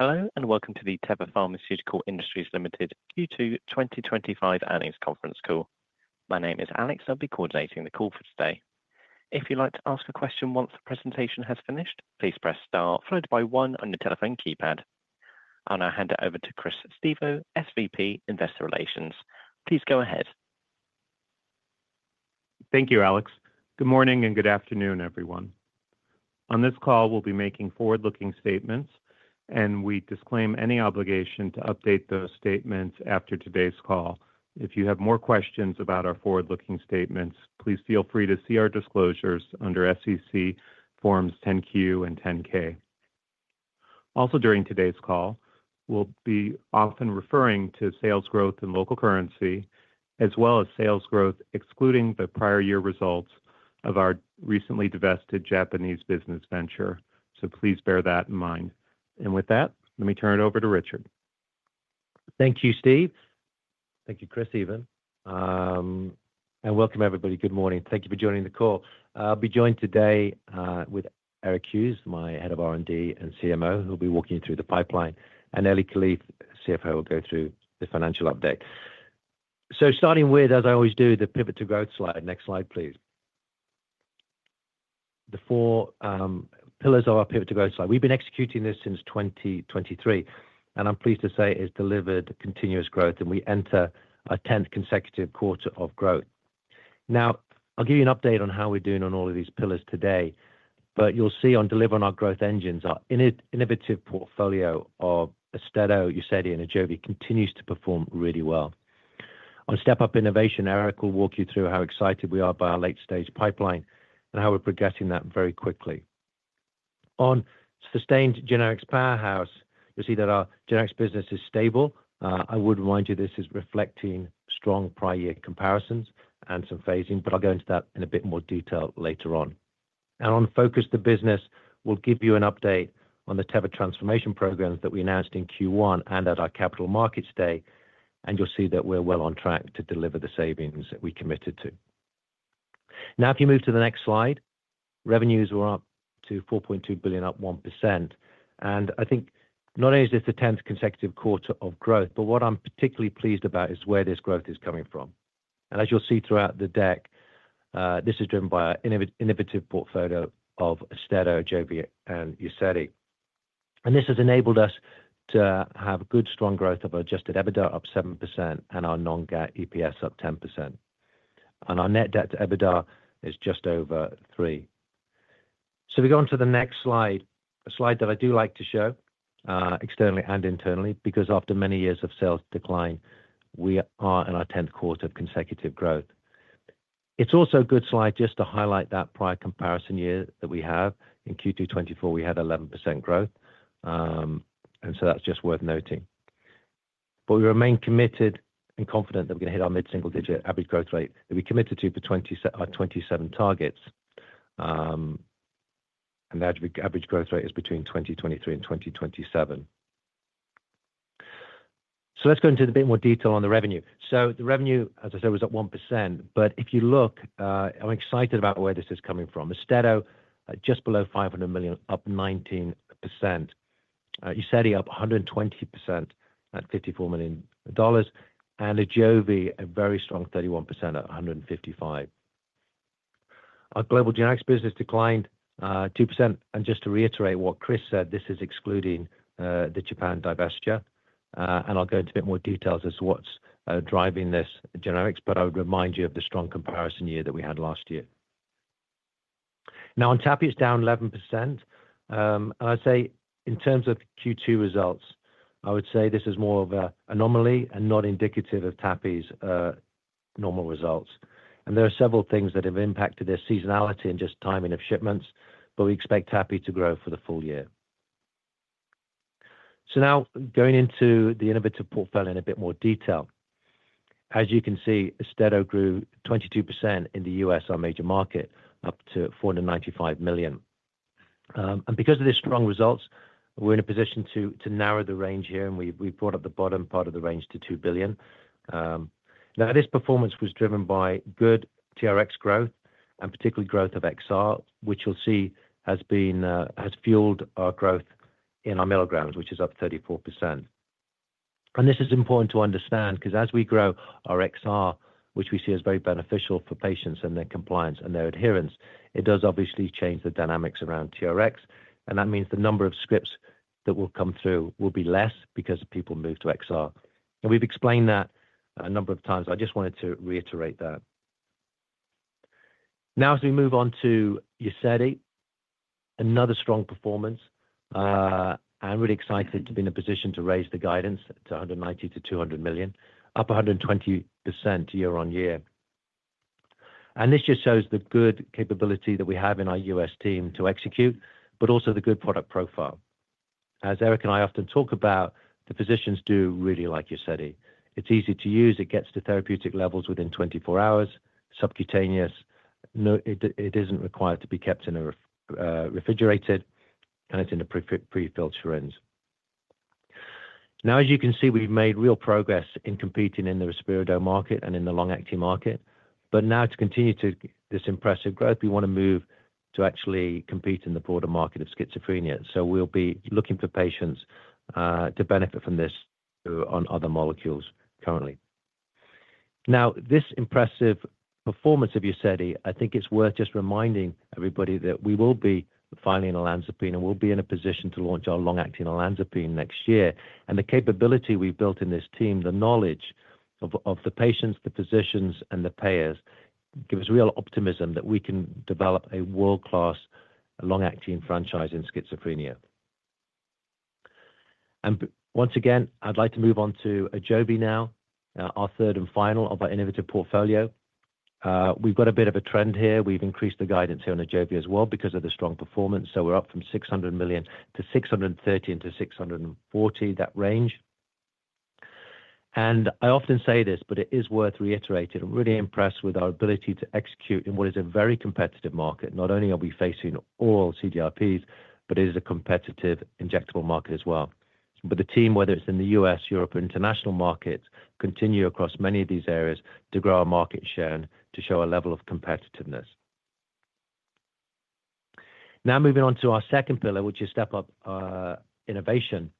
Hello and welcome to the Teva Pharmaceutical Industries Q2 2025 earnings conference call. My name is Alex, and I'll be coordinating the call for today. If you'd like to ask a question once the presentation has finished, please press star followed by one on your telephone keypad. I'll now hand it over to Chris Stevo, SVP, Investor Relations. Please go ahead. Thank you, Alex. Good morning and good afternoon, everyone. On this call, we'll be making forward-looking statements, and we disclaim any obligation to update those statements after today's call. If you have more questions about our forward-looking statements, please feel free to see our disclosures under SEC Forms 10-Q and 10-K. Also, during today's call, we'll be often referring to sales growth in local currency as well as sales growth excluding the prior year results of our recently divested Japanese business venture. Please bear that in mind. With that, let me turn it over to Richard. Thank you, Steve. Thank you, Chris, even. And welcome, everybody. Good morning. Thank you for joining the call. I'll be joined today with Dr. Eric Hughes, my Head of R&D and CMO, who'll be walking you through the pipeline, and Eli Kalif, CFO, will go through the financial update. Starting with, as I always do, the pivot to growth slide. Next slide, please. The four pillars of our pivot to growth slide. We've been executing this since 2023, and I'm pleased to say it has delivered continuous growth, and we enter our 10th consecutive quarter of growth. Now, I'll give you an update on how we're doing on all of these pillars today, but you'll see on delivering our growth engines, our innovative portfolio of AUSTEDO, UZEDY, and AJOVY continues to perform really well. On step-up innovation, Dr. Eric Hughes will walk you through how excited we are by our late-stage pipeline and how we're progressing that very quickly. On sustained generics powerhouse, you'll see that our generics business is stable. I would remind you this is reflecting strong prior-year comparisons and some phasing, but I'll go into that in a bit more detail later on. On focused to business, we'll give you an update on the Teva transformation programs that we announced in Q1 and at our capital markets day, and you'll see that we're well on track to deliver the savings that we committed to. Now, if you move to the next slide, revenues were up to $4.2 billion, up 1%. I think not only is this the 10th consecutive quarter of growth, but what I'm particularly pleased about is where this growth is coming from. As you'll see throughout the deck, this is driven by our innovative portfolio of AUSTEDO, AJOVY, and UZEDY. This has enabled us to have good, strong growth of our adjusted EBITDA up 7% and our non-GAAP EPS up 10%. Our net debt to EBITDA is just over three. If we go on to the next slide, a slide that I do like to show externally and internally, because after many years of sales decline, we are in our 10th quarter of consecutive growth. It's also a good slide just to highlight that prior comparison year that we have. In Q2 2024, we had 11% growth, and that's just worth noting. We remain committed and confident that we're going to hit our mid-single digit average growth rate that we committed to for our 2027 targets. The average growth rate is between 2023 and 2027. Let's go into a bit more detail on the revenue. The revenue, as I said, was up 1%, but if you look, I'm excited about where this is coming from. AUSTEDO, just below $500 million, up 19%. UZEDY, up 120% at $54 million. And AJOVY, a very strong 31% at $155 million. Our global generics business declined 2%. Just to reiterate what Chris said, this is excluding the Japan divestiture. I'll go into a bit more detail as to what's driving this generics, but I would remind you of the strong comparison year that we had last year. Now, on TAPI, it's down 11%. I'd say in terms of Q2 results, this is more of an anomaly and not indicative of TAPI's normal results. There are several things that have impacted their seasonality and just timing of shipments, but we expect TAPI to grow for the full year. Now going into the innovative portfolio in a bit more detail. As you can see, AUSTEDO grew 22% in the U.S., our major market, up to $495 million. Because of these strong results, we're in a position to narrow the range here, and we've brought up the bottom part of the range to $2 billion. This performance was driven by good TRX growth and particularly growth of XR, which you'll see has fueled our growth in our milligrams, which is up 34%. This is important to understand because as we grow our XR, which we see as very beneficial for patients and their compliance and their adherence, it does obviously change the dynamics around TRX. That means the number of scripts that will come through will be less because people move to XR. We've explained that a number of times, but I just wanted to reiterate that. Now, as we move on to UZEDY. Another strong performance. I'm really excited to be in a position to raise the guidance to $190 million-$200 million, up 120% year-on-year. This just shows the good capability that we have in our U.S. team to execute, but also the good product profile. As Eric and I often talk about, the physicians do really like UZEDY. It's easy to use. It gets to therapeutic levels within 24 hours, subcutaneous. It isn't required to be kept refrigerated, and it's in the prefilterings. As you can see, we've made real progress in competing in the respiratory market and in the long-acting market. To continue this impressive growth, we want to move to actually compete in the broader market of schizophrenia. We'll be looking for patients to benefit from this on other molecules currently. Now, this impressive performance of UZEDY, I think it's worth just reminding everybody that we will be filing olanzapine and we'll be in a position to launch our long-acting olanzapine next year. The capability we've built in this team, the knowledge of the patients, the physicians, and the payers gives us real optimism that we can develop a world-class long-acting franchise in schizophrenia. Once again, I'd like to move on to AJOVY now, our third and final of our innovative portfolio. We've got a bit of a trend here. We've increased the guidance here on AJOVY as well because of the strong performance. We're up from $600 million to $630 million-$640 million, that range. I often say this, but it is worth reiterating. I'm really impressed with our ability to execute in what is a very competitive market. Not only are we facing all CDRPs, but it is a competitive injectable market as well. The team, whether it's in the U.S., Europe, or international markets, continue across many of these areas to grow our market share and to show a level of competitiveness. Now, moving on to our second pillar, which is step-up innovation.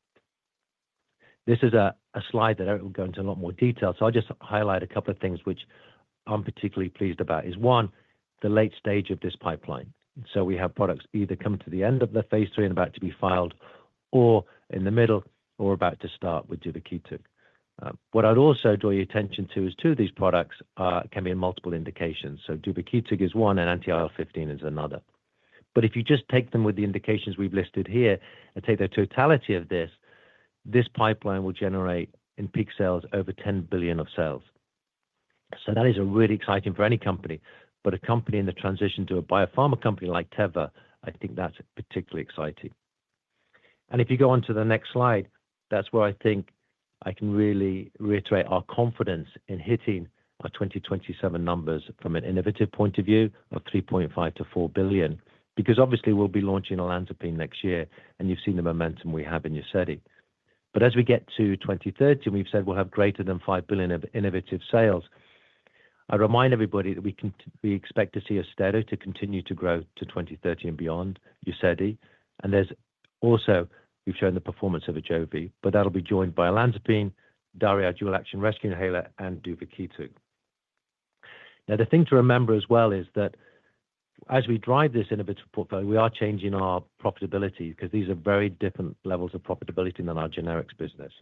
This is a slide that I will go into a lot more detail. I'll just highlight a couple of things which I'm particularly pleased about. One, the late stage of this pipeline. We have products either coming to the end of phase III and about to be filed or in the middle or about to start with duvakitug. What I'd also draw your attention to is two of these products can be in multiple indications. duvakitug is one and anti-IL-15 is another. If you just take them with the indications we've listed here and take the totality of this, this pipeline will generate in peak sales over $10 billion of sales. That is really exciting for any company. A company in the transition to a biopharma company like Teva, I think that's particularly exciting. If you go on to the next slide, that's where I think I can really reiterate our confidence in hitting our 2027 numbers from an innovative point of view of $3.5 billion-$4 billion, because obviously we'll be launching olanzapine next year, and you've seen the momentum we have in UZEDY. As we get to 2030, we've said we'll have greater than $5 billion of innovative sales. I remind everybody that we expect to see AUSTEDO continue to grow to 2030 and beyond, UZEDY. Also, we've shown the performance of AJOVY, but that'll be joined by olanzapine, DARI, dual-action rescue inhaler, and duvakitug. The thing to remember as well is that as we drive this innovative portfolio, we are changing our profitability because these are very different levels of profitability than our generics business.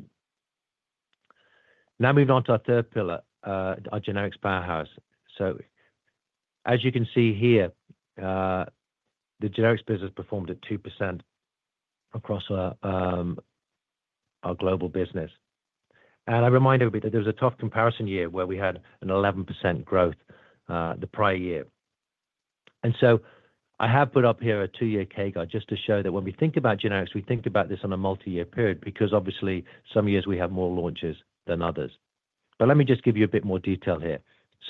Now, moving on to our third pillar, our generics powerhouse. As you can see here, the generics business performed at 2% across our global business. I remind everybody that there was a tough comparison year where we had 11% growth the prior year. I have put up here a two-year K guide just to show that when we think about generics, we think about this on a multi-year period because obviously some years we have more launches than others. Let me just give you a bit more detail here.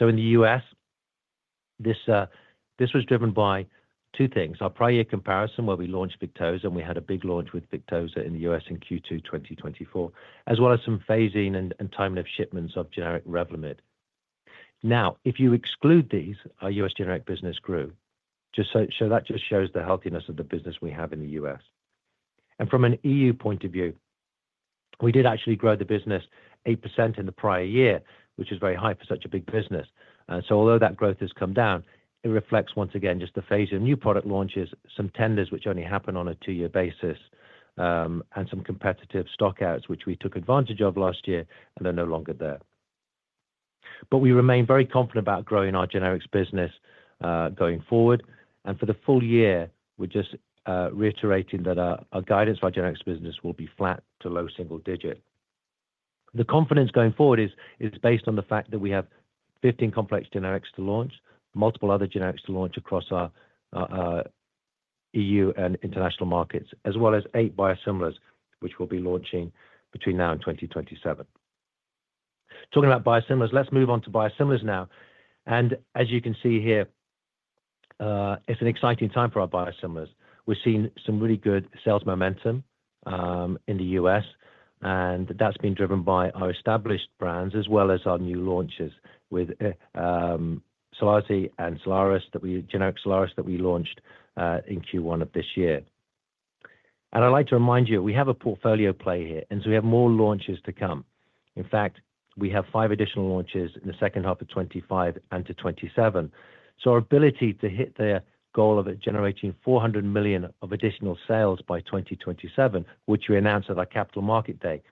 In the U.S., this was driven by two things: our prior year comparison where we launched Victoza, and we had a big launch with Victoza in the U.S. in Q2 2024, as well as some phasing and time-lift shipments of generic Revlimid. If you exclude these, our U.S. generic business grew. That just shows the healthiness of the business we have in the U.S. From an EU point of view, we did actually grow the business 8% in the prior year, which is very high for such a big business. Although that growth has come down, it reflects once again just the phase of new product launches, some tenders which only happen on a two-year basis, and some competitive stockouts, which we took advantage of last year, and they're no longer there. We remain very confident about growing our generics business going forward. For the full year, we're just reiterating that our guidance for our generics business will be flat to low single digit. The confidence going forward is based on the fact that we have 15 complex generics to launch, multiple other generics to launch across our EU and international markets, as well as eight biosimilars, which we'll be launching between now and 2027. Talking about biosimilars, let's move on to biosimilars now. As you can see here, it's an exciting time for our biosimilars. We're seeing some really good sales momentum in the U.S., and that's been driven by our established brands as well as our new launches with SELARSDI and biosimilar Stelara that we launched in Q1 of this year. I'd like to remind you we have a portfolio play here, and so we have more launches to come. In fact, we have five additional launches in the second half of 2025 and to 2027. Our ability to hit the goal of generating $400 million of additional sales by 2027, which we announced at our capital market day,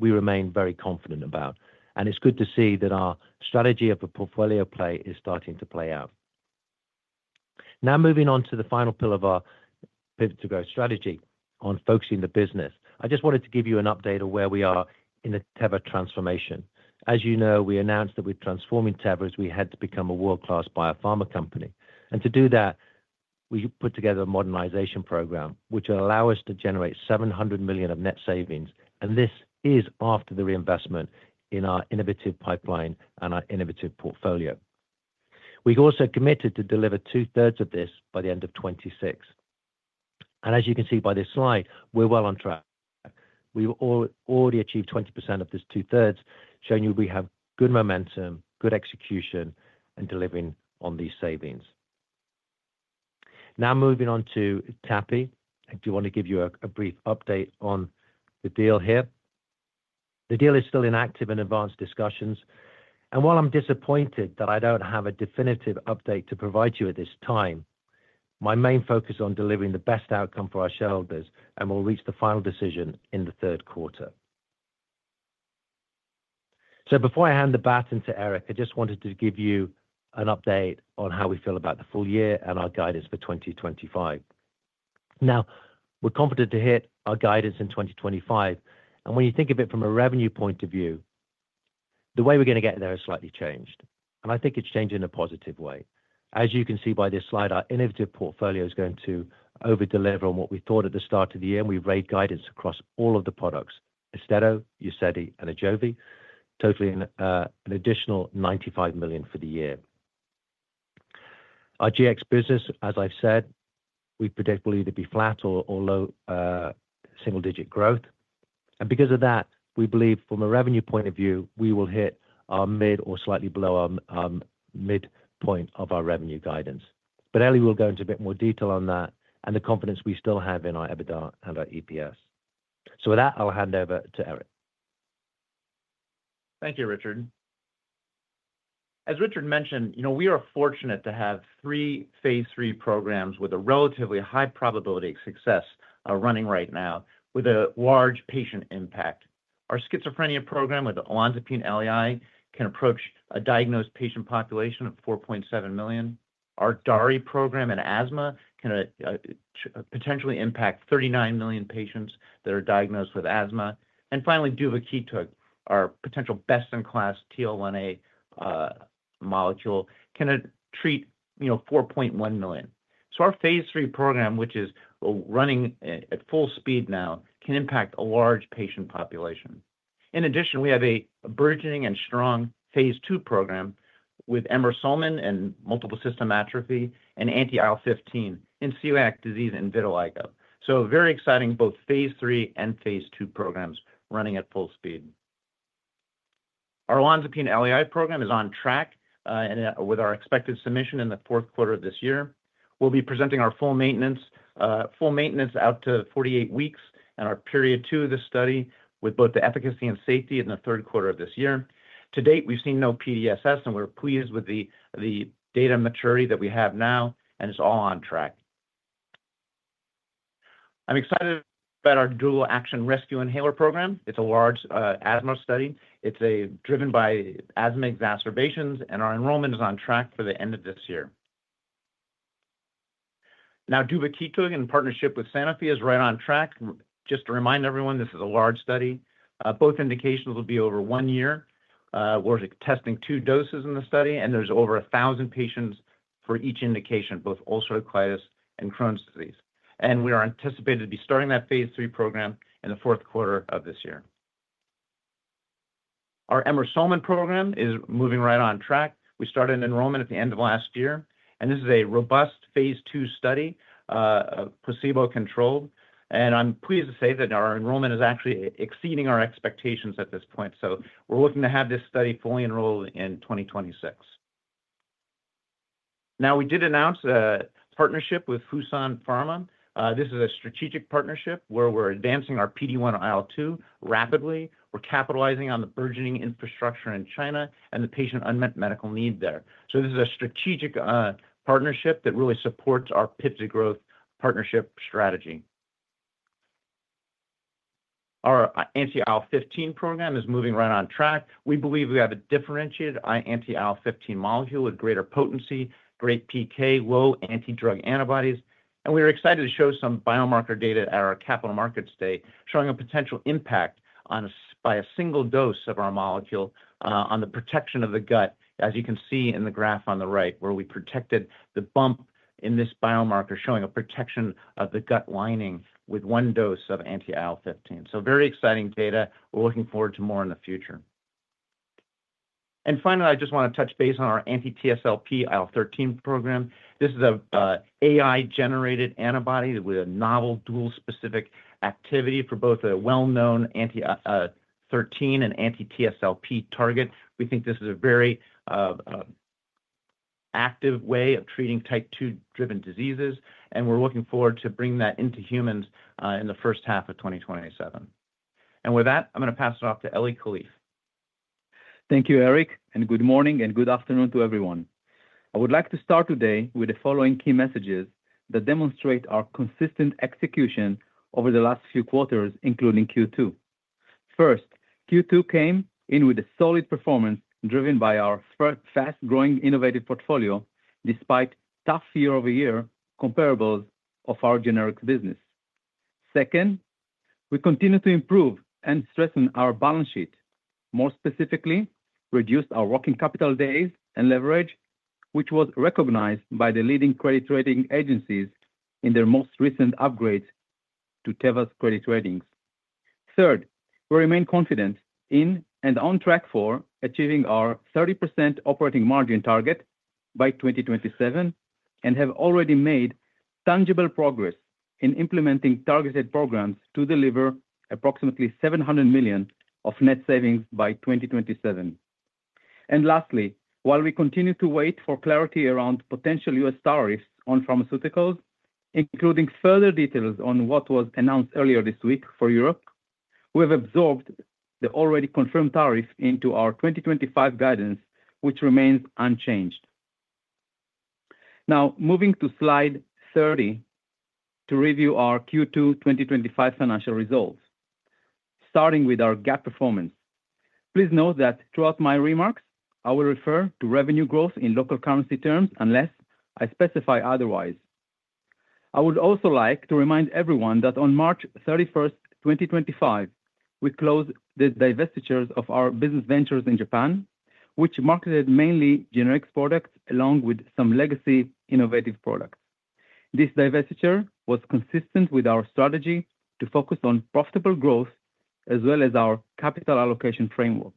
we remain very confident about. It is good to see that our strategy of a portfolio play is starting to play out. Now, moving on to the final pillar of our pivot to growth strategy on focusing the business, I just wanted to give you an update of where we are in the Teva transformation. As you know, we announced that we are transforming Teva as we had to become a world-class biopharma company. To do that, we put together a modernization program which will allow us to generate $700 million of net savings. This is after the reinvestment in our innovative pipeline and our innovative portfolio. We have also committed to deliver 2/3 of this by the end of 2026. As you can see by this slide, we are well on track. We have already achieved 20% of this 2/3, showing you we have good momentum, good execution, and delivering on these savings. Now, moving on to TAPI, I do want to give you a brief update on the deal here. The deal is still in active and advanced discussions. While I am disappointed that I do not have a definitive update to provide you at this time, my main focus is on delivering the best outcome for our shareholders, and we will reach the final decision in the third quarter. Before I hand the baton to Eric, I just wanted to give you an update on how we feel about the full year and our guidance for 2025. We are confident to hit our guidance in 2025. When you think of it from a revenue point of view, the way we are going to get there is slightly changed. I think it is changing in a positive way. As you can see by this slide, our innovative portfolio is going to overdeliver on what we thought at the start of the year, and we have raised guidance across all of the products: AUSTEDO, UZEDY, and AJOVY, totaling an additional $95 million for the year. Our Gx business, as I have said, we predict will either be flat or low single-digit growth. Because of that, we believe from a revenue point of view, we will hit our mid or slightly below our midpoint of our revenue guidance. Ellie will go into a bit more detail on that and the confidence we still have in our EBITDA and our EPS. With that, I will hand over to Eric. Thank you, Richard. As Richard mentioned, we are fortunate to have three phase III programs with a relatively high probability of success running right now, with a large patient impact. Our schizophrenia program with olanzapine [LAI] can approach a diagnosed patient population of 4.7 million. Our DARI program in asthma can potentially impact 39 million patients that are diagnosed with asthma. Finally, duvakitug, our potential best-in-class TL1A molecule, can treat 4.1 million. Our phase III program, which is running at full speed now, can impact a large patient population. In addition, we have a burgeoning and strong phase II program with Emmer-Sulman in multiple system atrophy and anti-IL-15 in celiac disease and vitiligo. Very exciting, both phase III and phase II programs running at full speed. Our olanzapine [LAI] program is on track with our expected submission in the fourth quarter of this year. We'll be presenting our full maintenance out to 48 weeks and our period two of the study with both the efficacy and safety in the third quarter of this year. To date, we've seen no PDSS, and we're pleased with the data maturity that we have now, and it's all on track. I'm excited about our dual-action rescue inhaler program. It's a large asthma study. It's driven by asthma exacerbations, and our enrollment is on track for the end of this year. Now, duvakitug, in partnership with Sanofi, is right on track. Just to remind everyone, this is a large study. Both indications will be over one year. We're testing two doses in the study, and there's over 1,000 patients for each indication, both ulcerative colitis and Crohn's disease. We are anticipated to be starting that phase III program in the fourth quarter of this year. Our Emmer-Sulman program is moving right on track. We started enrollment at the end of last year, and this is a robust phase II study. Placebo-controlled. I'm pleased to say that our enrollment is actually exceeding our expectations at this point. We're looking to have this study fully enrolled in 2026. We did announce a partnership with Hudson Pharma. This is a strategic partnership where we're advancing our PD1-IL2 rapidly. We're capitalizing on the burgeoning infrastructure in China and the patient unmet medical need there. This is a strategic partnership that really supports our pivot to growth partnership strategy. Our anti-IL-15 program is moving right on track. We believe we have a differentiated anti-IL-15 molecule with greater potency, great PK, low antidrug antibodies. We are excited to show some biomarker data at our capital markets day, showing a potential impact by a single dose of our molecule on the protection of the gut, as you can see in the graph on the right, where we protected the bump in this biomarker showing a protection of the gut lining with one dose of anti-IL-15. Very exciting data. We're looking forward to more in the future. Finally, I just want to touch base on our anti-TSLP [and] IL-13 program. This is an AI-generated antibody with a novel dual-specific activity for both a well-known anti-13 and anti-TSLP target. We think this is a very active way of treating type 2-driven diseases, and we're looking forward to bringing that into humans in the first half of 2027. With that, I'm going to pass it off to Eli Kalif. Thank you, Eric. Good morning and good afternoon to everyone. I would like to start today with the following key messages that demonstrate our consistent execution over the last few quarters, including Q2. First, Q2 came in with a solid performance driven by our fast-growing innovative portfolio despite tough year-over-year comparables of our generics business. Second, we continue to improve and strengthen our balance sheet. More specifically, we reduced our working capital days and leverage, which was recognized by the leading credit rating agencies in their most recent upgrades to Teva's credit ratings. Third, we remain confident in and on track for achieving our 30% operating margin target by 2027 and have already made tangible progress in implementing targeted programs to deliver approximately $700 million of net savings by 2027. Lastly, while we continue to wait for clarity around potential U.S. tariffs on pharmaceuticals, including further details on what was announced earlier this week for Europe, we have absorbed the already confirmed tariff into our 2025 guidance, which remains unchanged. Now, moving to slide 30 to review our Q2 2025 financial results. Starting with our GAAP performance. Please note that throughout my remarks, I will refer to revenue growth in local currency terms unless I specify otherwise. I would also like to remind everyone that on March 31st, 2025, we closed the divestitures of our business ventures in Japan, which marketed mainly generics products along with some legacy innovative products. This divestiture was consistent with our strategy to focus on profitable growth as well as our capital allocation framework.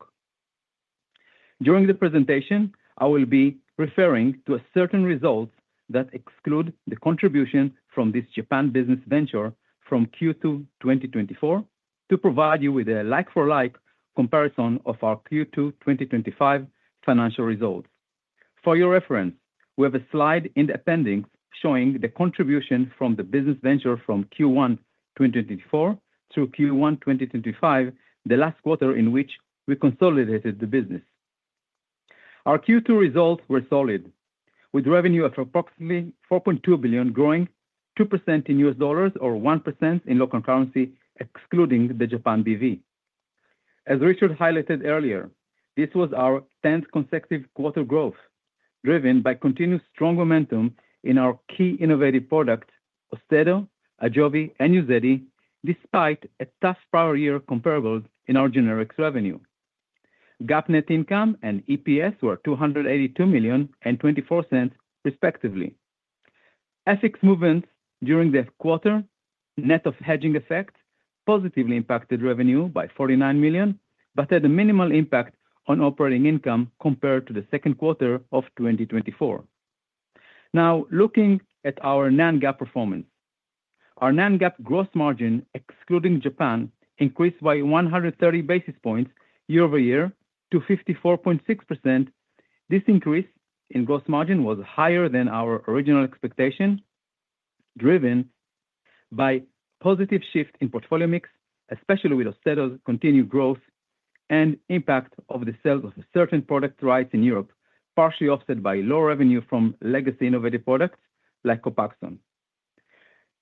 During the presentation, I will be referring to certain results that exclude the contribution from this Japan business venture from Q2 2024 to provide you with a like-for-like comparison of our Q2 2025 financial results. For your reference, we have a slide in the appendix showing the contribution from the business venture from Q1 2024 through Q1 2025, the last quarter in which we consolidated the business. Our Q2 results were solid, with revenue of approximately $4.2 billion growing 2% in US dollars or 1% in local currency, excluding the Japan business venture. As Richard highlighted earlier, this was our 10th consecutive quarter growth, driven by continued strong momentum in our key innovative products, AUSTEDO, AJOVY, and UZEDY, despite a tough prior-year comparables in our generics revenue. GAAP net income and EPS were $282 million and $0.24, respectively. FX movements during the quarter net of hedging effect positively impacted revenue by $49 million, but had a minimal impact on operating income compared to the second quarter of 2024. Now, looking at our non-GAAP performance, our non-GAAP gross margin, excluding Japan, increased by 130 basis points year-over-year to 54.6%. This increase in gross margin was higher than our original expectation. Driven by a positive shift in portfolio mix, especially with AUSTEDO's continued growth and impact of the sales of certain product rights in Europe, partially offset by low revenue from legacy innovative products like COPAXONE.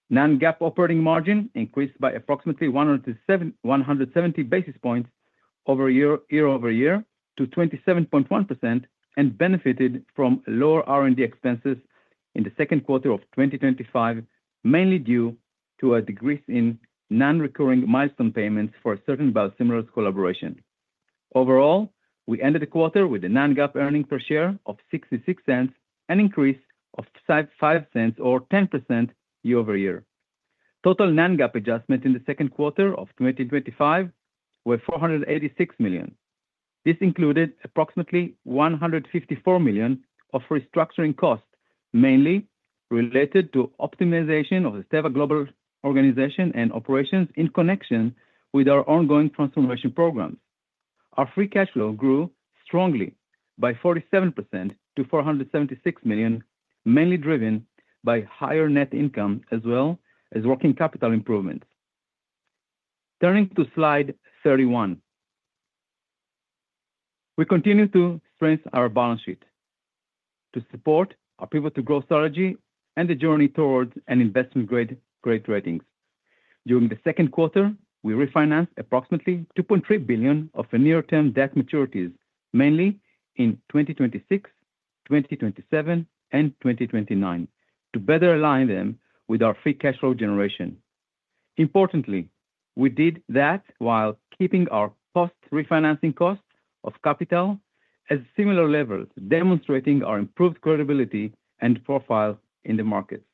Non-GAAP operating margin increased by approximately 170 basis points year-over-year to 27.1% and benefited from lower R&D expenses in the second quarter of 2025, mainly due to a decrease in non-recurring milestone payments for a certain biosimilars collaboration. Overall, we ended the quarter with a non-GAAP earnings per share of $0.66 and an increase of [$0.05] or 10% year-over-year. Total non-GAAP adjustments in the second quarter of 2025 were $486 million. This included approximately $154 million of restructuring costs, mainly related to optimization of the Teva Global Organization and operations in connection with our ongoing transformation programs. Our free cash flow grew strongly by 47% to $476 million, mainly driven by higher net income as well as working capital improvements. Turning to slide 31. We continue to strengthen our balance sheet to support our pivot to growth strategy and the journey towards investment-grade ratings. During the second quarter, we refinanced approximately $2.3 billion of near-term debt maturities, mainly in 2026, 2027, and 2029, to better align them with our free cash flow generation. Importantly, we did that while keeping our post-refinancing cost of capital at similar levels, demonstrating our improved credibility and profile in the markets.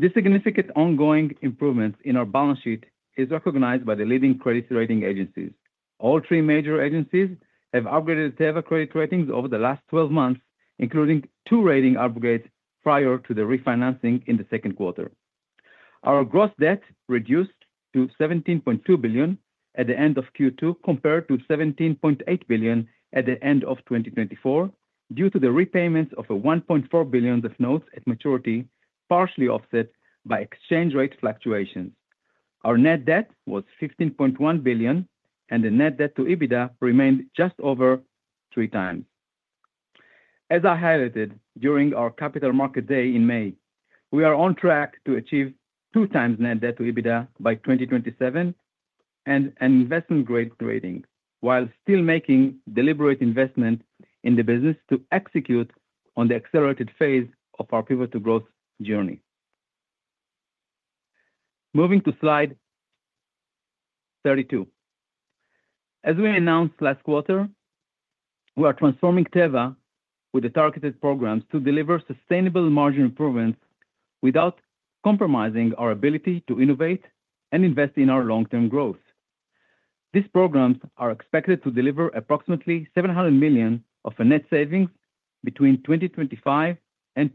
This significant ongoing improvement in our balance sheet is recognized by the leading credit rating agencies. All three major agencies have upgraded Teva credit ratings over the last 12 months, including two rating upgrades prior to the refinancing in the second quarter. Our gross debt reduced to $17.2 billion at the end of Q2 compared to $17.8 billion at the end of 2024, due to the repayments of $1.4 billion of notes at maturity, partially offset by exchange rate fluctuations. Our net debt was $15.1 billion, and the net debt to EBITDA remained just over 3x. As I highlighted during our capital market day in May, we are on track to achieve 2x net debt to EBITDA by 2027 and an investment-grade rating, while still making deliberate investment in the business to execute on the accelerated phase of our pivot to growth journey. Moving to slide 32. As we announced last quarter, we are transforming Teva with the targeted programs to deliver sustainable margin improvements without compromising our ability to innovate and invest in our long-term growth. These programs are expected to deliver approximately $700 million of net savings between 2025 and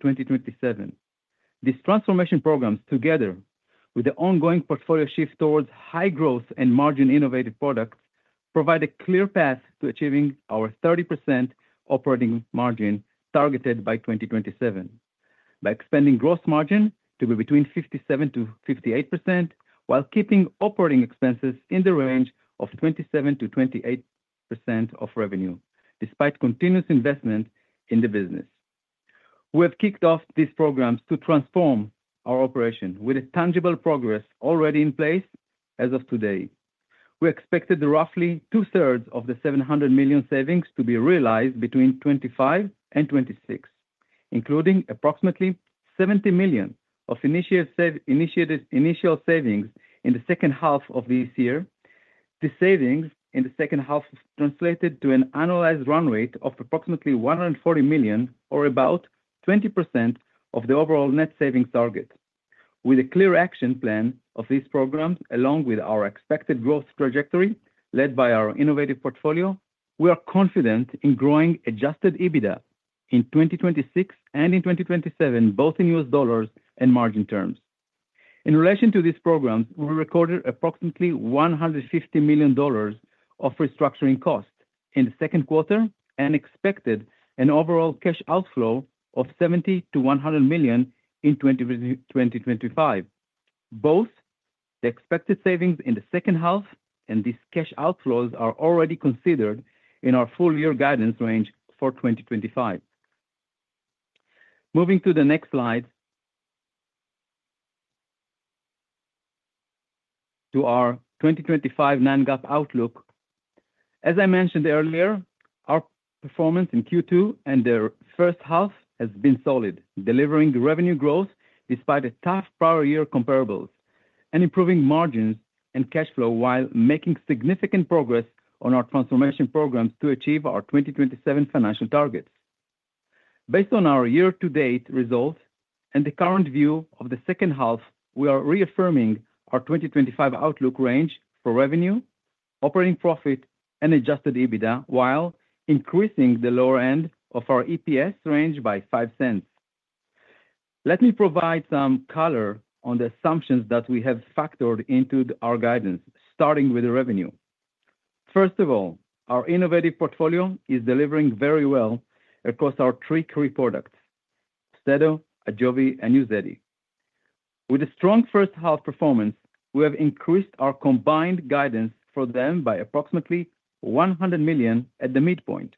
2027. These transformation programs, together with the ongoing portfolio shift towards high growth and margin-innovative products, provide a clear path to achieving our 30% operating margin targeted by 2027, by expanding gross margin to be between 57%-58%, while keeping operating expenses in the range of 27%-28% of revenue, despite continuous investment in the business. We have kicked off these programs to transform our operation with tangible progress already in place as of today. We expected roughly 2/3 of the $700 million savings to be realized between 2025 and 2026, including approximately $70 million of initial savings in the second half of this year. These savings in the second half translated to an annualized run rate of approximately $140 million, or about 20% of the overall net savings target. With a clear action plan of these programs, along with our expected growth trajectory led by our innovative portfolio, we are confident in growing adjusted EBITDA in 2026 and in 2027, both in US dollars and margin terms. In relation to these programs, we recorded approximately $150 million of restructuring costs in the second quarter and expected an overall cash outflow of $70 million-$100 million in 2025. Both the expected savings in the second half and these cash outflows are already considered in our full year guidance range for 2025. Moving to the next slide. To our 2025 non-GAAP outlook. As I mentioned earlier, our performance in Q2 and the first half has been solid, delivering revenue growth despite a tough prior-year comparables and improving margins and cash flow while making significant progress on our transformation programs to achieve our 2027 financial targets. Based on our year-to-date results and the current view of the second half, we are reaffirming our 2025 outlook range for revenue, operating profit, and adjusted EBITDA, while increasing the lower end of our EPS range by $0.05. Let me provide some color on the assumptions that we have factored into our guidance, starting with the revenue. First of all, our innovative portfolio is delivering very well across our three key products: AUSTEDO, AJOVY, and UZEDY. With a strong first-half performance, we have increased our combined guidance for them by approximately $100 million at the midpoint.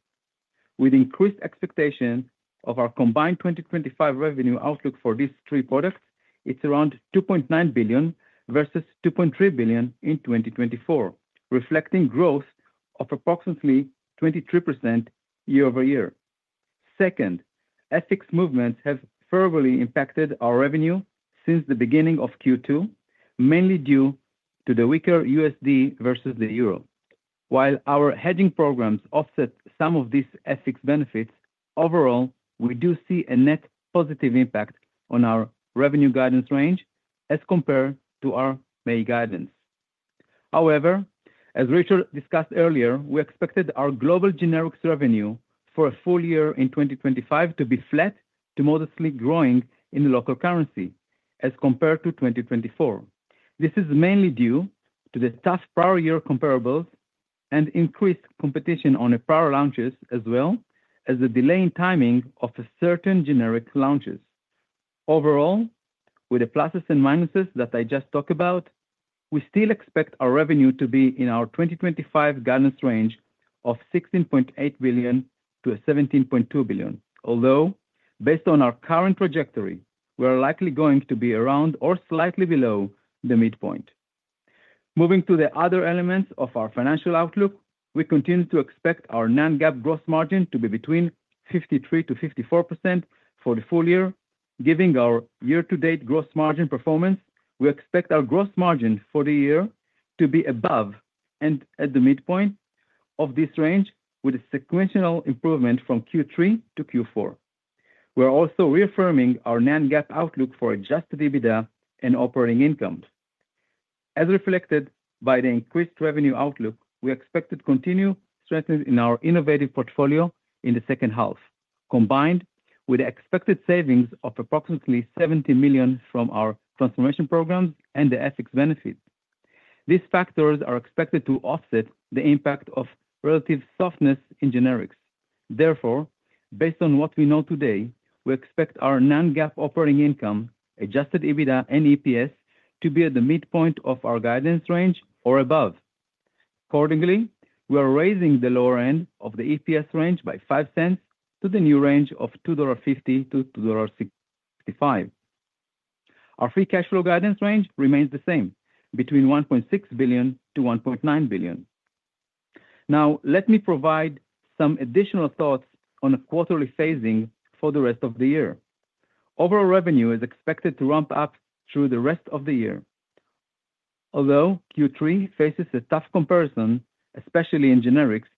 With increased expectations of our combined 2025 revenue outlook for these three products, it is around $2.9 billion versus $2.3 billion in 2024, reflecting growth of approximately 23% year-over-year. Second, FX movements have further impacted our revenue since the beginning of Q2, mainly due to the weaker USD versus the euro. While our hedging programs offset some of these FX benefits, overall, we do see a net positive impact on our revenue guidance range as compared to our May guidance. However, as Richard discussed earlier, we expected our global generics revenue for a full year in 2025 to be flat to modestly growing in the local currency as compared to 2024. This is mainly due to the tough prior-year comparables and increased competition on prior launches, as well as the delay in timing of certain generic launches. Overall, with the pluses and minuses that I just talked about. We still expect our revenue to be in our 2025 guidance range of $16.8 billion-$17.2 billion, although based on our current trajectory, we are likely going to be around or slightly below the midpoint. Moving to the other elements of our financial outlook, we continue to expect our non-GAAP gross margin to be between 53%-54% for the full year. Given our year-to-date gross margin performance, we expect our gross margin for the year to be above and at the midpoint of this range, with a sequential improvement from Q3 to Q4. We are also reaffirming our non-GAAP outlook for adjusted EBITDA and operating incomes. As reflected by the increased revenue outlook, we expect to continue strengthening our innovative portfolio in the second half, combined with the expected savings of approximately $70 million from our transformation programs and the ethics benefits. These factors are expected to offset the impact of relative softness in generics. Therefore, based on what we know today, we expect our non-GAAP operating income, adjusted EBITDA, and EPS to be at the midpoint of our guidance range or above. Accordingly, we are raising the lower end of the EPS range by $0.05 to the new range of $2.50-$2.65. Our free cash flow guidance range remains the same, between $1.6 billion-$1.9 billion. Now, let me provide some additional thoughts on quarterly phasing for the rest of the year. Overall revenue is expected to ramp up through the rest of the year. Although Q3 faces a tough comparison, especially in generics,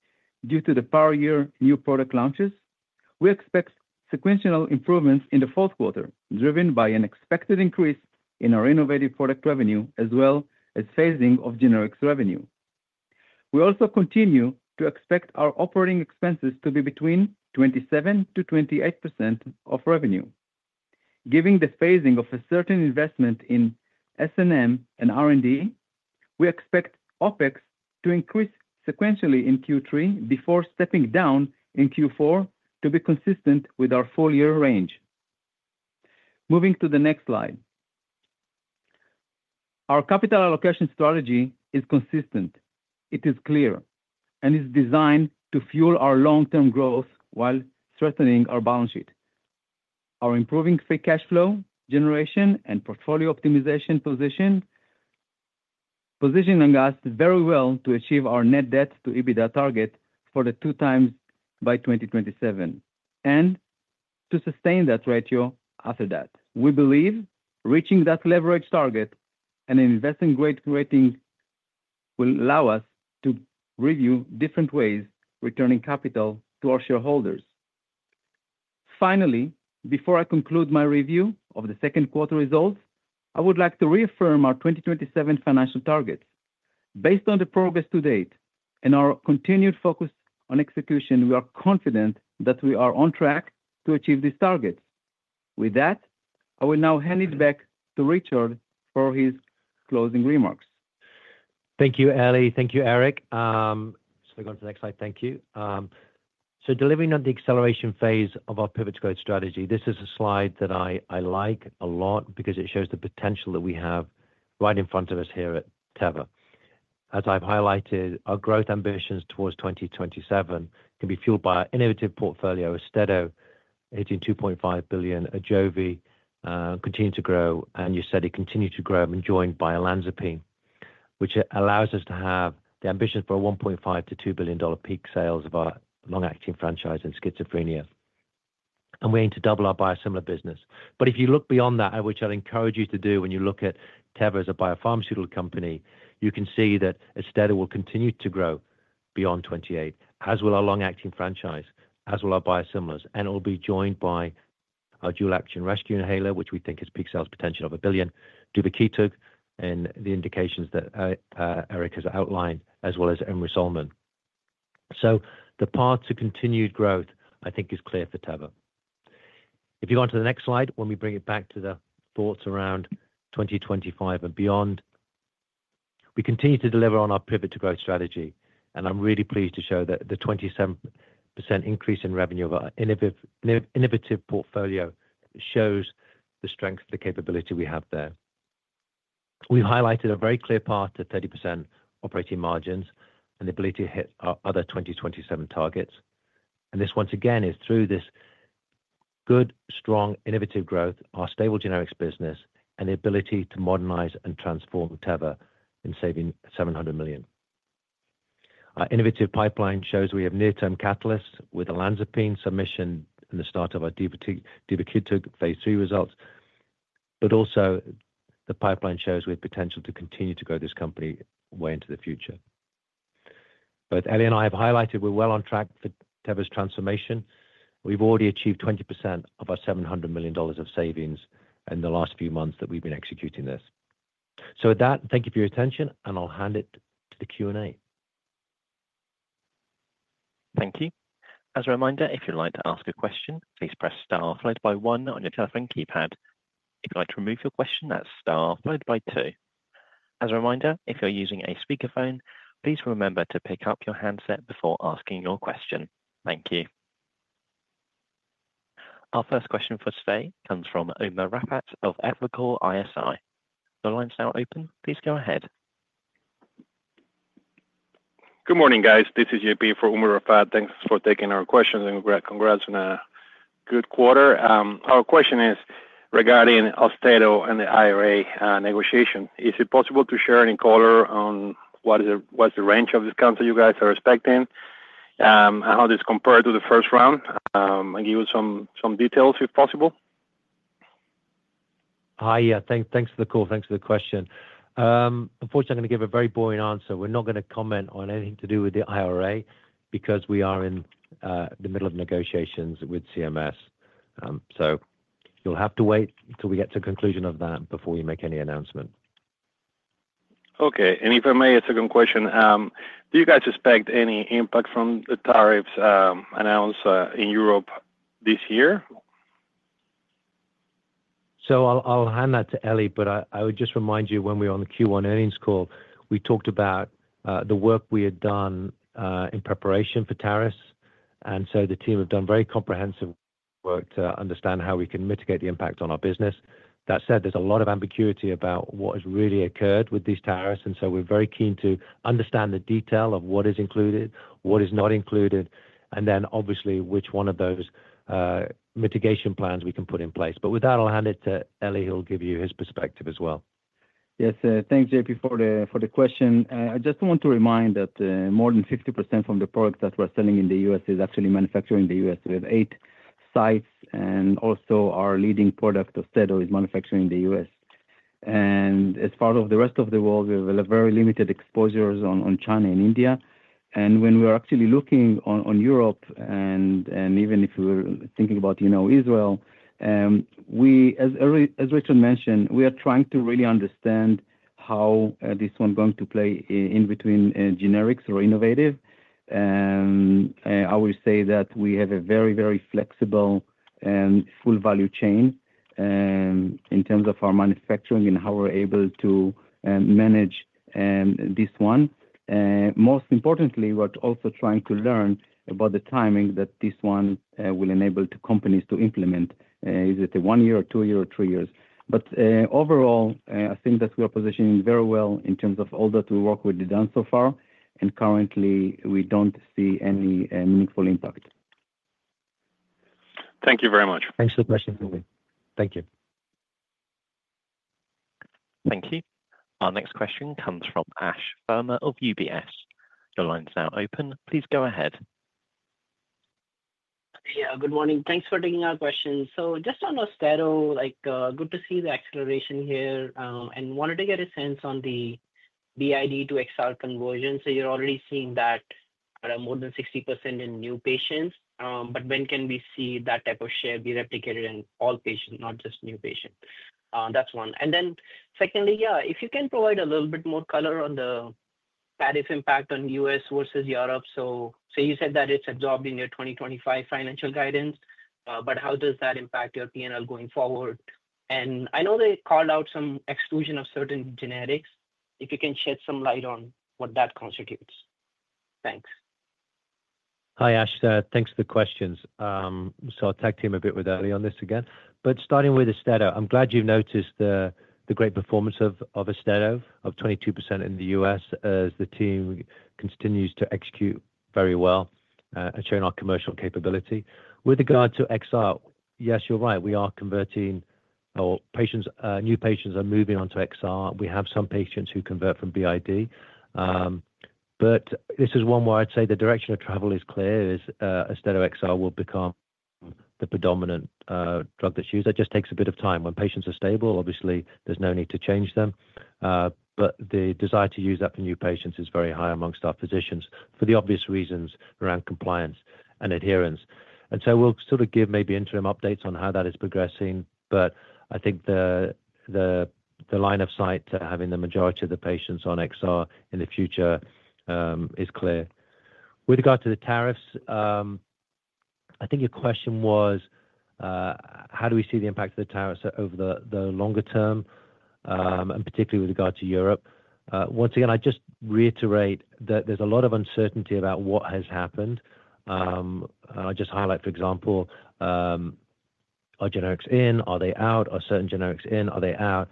due to the prior year new product launches, we expect sequential improvements in the fourth quarter, driven by an expected increase in our innovative product revenue, as well as phasing of generics revenue. We also continue to expect our operating expenses to be between 27%-28% of revenue. Given the phasing of a certain investment in S&M and R&D, we expect OpEx to increase sequentially in Q3 before stepping down in Q4 to be consistent with our full year range. Moving to the next slide. Our capital allocation strategy is consistent. It is clear and is designed to fuel our long-term growth while strengthening our balance sheet. Our improving free cash flow generation and portfolio optimization position. Positioned us very well to achieve our net debt to EBITDA target for the 2x by 2027 and to sustain that ratio after that. We believe reaching that leverage target and investment-grade ratings. Will allow us to review different ways of returning capital to our shareholders. Finally, before I conclude my review of the second quarter results, I would like to reaffirm our 2027 financial targets. Based on the progress to date and our continued focus on execution, we are confident that we are on track to achieve these targets. With that, I will now hand it back to Richard for his closing remarks. Thank you, Eli. Thank you, Eric. Just going to the next slide. Thank you. Delivering on the acceleration phase of our pivot to growth strategy, this is a slide that I like a lot because it shows the potential that we have right in front of us here at Teva. As I've highlighted, our growth ambitions towards 2027 can be fueled by our innovative portfolio, AUSTEDO, hitting $2.5 billion, AJOVY, continue to grow, and you said it continues to grow, and joined by olanzapine, which allows us to have the ambition for a $1.5-$2 billion peak sales of our long-acting franchise in schizophrenia. We aim to double our biosimilar business. If you look beyond that, which I'd encourage you to do when you look at Teva as a biopharmaceutical company, you can see that AUSTEDO will continue to grow beyond 2028, as will our long-acting franchise, as will our biosimilars. It will be joined by our dual-action rescue inhaler, which we think has peak sales potential of $1 billion, duvakitug, and the indications that Eric has outlined, as well as Emmer-Sulman. The path to continued growth, I think, is clear for Teva. If you go on to the next slide, when we bring it back to the thoughts around 2025 and beyond. We continue to deliver on our pivot to growth strategy, and I'm really pleased to show that the 27% increase in revenue of our innovative portfolio shows the strength of the capability we have there. We highlighted a very clear path to 30% operating margins and the ability to hit our other 2027 targets. This, once again, is through this good, strong, innovative growth, our stable generics business, and the ability to modernize and transform Teva in saving $700 million. Our innovative pipeline shows we have near-term catalysts with olanzapine, submission, and the start of our duvakitug phase III results. Also, the pipeline shows we have potential to continue to grow this company way into the future. Both Eli and I have highlighted we're well on track for Teva's transformation. We've already achieved 20% of our $700 million of savings in the last few months that we've been executing this. With that, thank you for your attention, and I'll hand it to the Q&A. Thank you. As a reminder, if you'd like to ask a question, please press star followed by one on your telephone keypad. If you'd like to remove your question, that's star followed by two. As a reminder, if you're using a speakerphone, please remember to pick up your handset before asking your question. Thank you. Our first question for today comes from [Umer Raffat of Evercore ISI]. The line's now open. Please go ahead. Good morning, guys. This is Yipi for [Umer Raffat]. Thanks for taking our questions and congrats on a good quarter. Our question is regarding AUSTEDO and the IRA negotiation. Is it possible to share any color on what is the range of discounts that you guys are expecting, and how this compared to the first round and give us some details if possible? Hi, yeah, thanks for the call. Thanks for the question. Unfortunately, I'm going to give a very boring answer. We're not going to comment on anything to do with the IRA because we are in the middle of negotiations with CMS. You'll have to wait until we get to the conclusion of that before we make any announcement. Okay. If I may, a second question. Do you guys expect any impact from the tariffs announced in Europe this year? I'll hand that to Eli, but I would just remind you when we were on the Q1 earnings call, we talked about the work we had done in preparation for tariffs. The team have done very comprehensive work to understand how we can mitigate the impact on our business. That said, there's a lot of ambiguity about what has really occurred with these tariffs. We're very keen to understand the detail of what is included, what is not included, and then obviously which one of those mitigation plans we can put in place. With that, I'll hand it to Eli. He'll give you his perspective as well. Yes, thanks, JP, for the question. I just want to remind that more than 50% of the product that we're selling in the U.S. is actually manufactured in the U.S. We have eight sites, and also our leading product, AUSTEDO, is manufactured in the U.S. As part of the rest of the world, we have very limited exposures on China and India. When we are actually looking on Europe, and even if we're thinking about, you know, Israel, as. Richard mentioned, we are trying to really understand how this one is going to play in between generics or innovative. I will say that we have a very, very flexible and full-value chain. In terms of our manufacturing and how we're able to manage this one. Most importantly, we're also trying to learn about the timing that this one will enable companies to implement. Is it a one-year, or two-year, or three-years? Overall, I think that we are positioning very well in terms of all that we work with done so far. Currently, we do not see any meaningful impact. Thank you very much. Thanks for the question, JP. Thank you. Thank you. Our next question comes from Ash [Verma] of UBS. Your line is now open. Please go ahead. Yeah, good morning. Thanks for taking our questions. Just on AUSTEDO, good to see the acceleration here and wanted to get a sense on the BID to XR conversion. You are already seeing that at more than 60% in new patients. When can we see that type of share be replicated in all patients, not just new patients? That is one. Secondly, if you can provide a little bit more color on the tariff impact on the U.S. versus Europe. You said that it is absorbed in your 2025 financial guidance, but how does that impact your P&L going forward? I know they called out some exclusion of certain generics. If you can shed some light on what that constitutes. Thanks. Hi, Ash. Thanks for the questions. I will tag team a bit with Eli on this again. Starting with AUSTEDO, I am glad you have noticed the great performance of AUSTEDO, of 22% in the U.S., as the team continues to execute very well and showing our commercial capability. With regard to XR, yes, you are right. We are converting our patients. New patients are moving on to XR. We have some patients who convert from BID. This is one where I would say the direction of travel is clear: AUSTEDO XR will become the predominant drug that is used. That just takes a bit of time. When patients are stable, obviously, there is no need to change them. The desire to use that for new patients is very high amongst our physicians for the obvious reasons around compliance and adherence. We will sort of give maybe interim updates on how that is progressing. I think the line of sight to having the majority of the patients on XR in the future is clear. With regard to the tariffs, I think your question was how do we see the impact of the tariffs over the longer term. Particularly with regard to Europe? I just reiterate that there's a lot of uncertainty about what has happened. I'll just highlight, for example. Are generics in? Are they out? Are certain generics in? Are they out?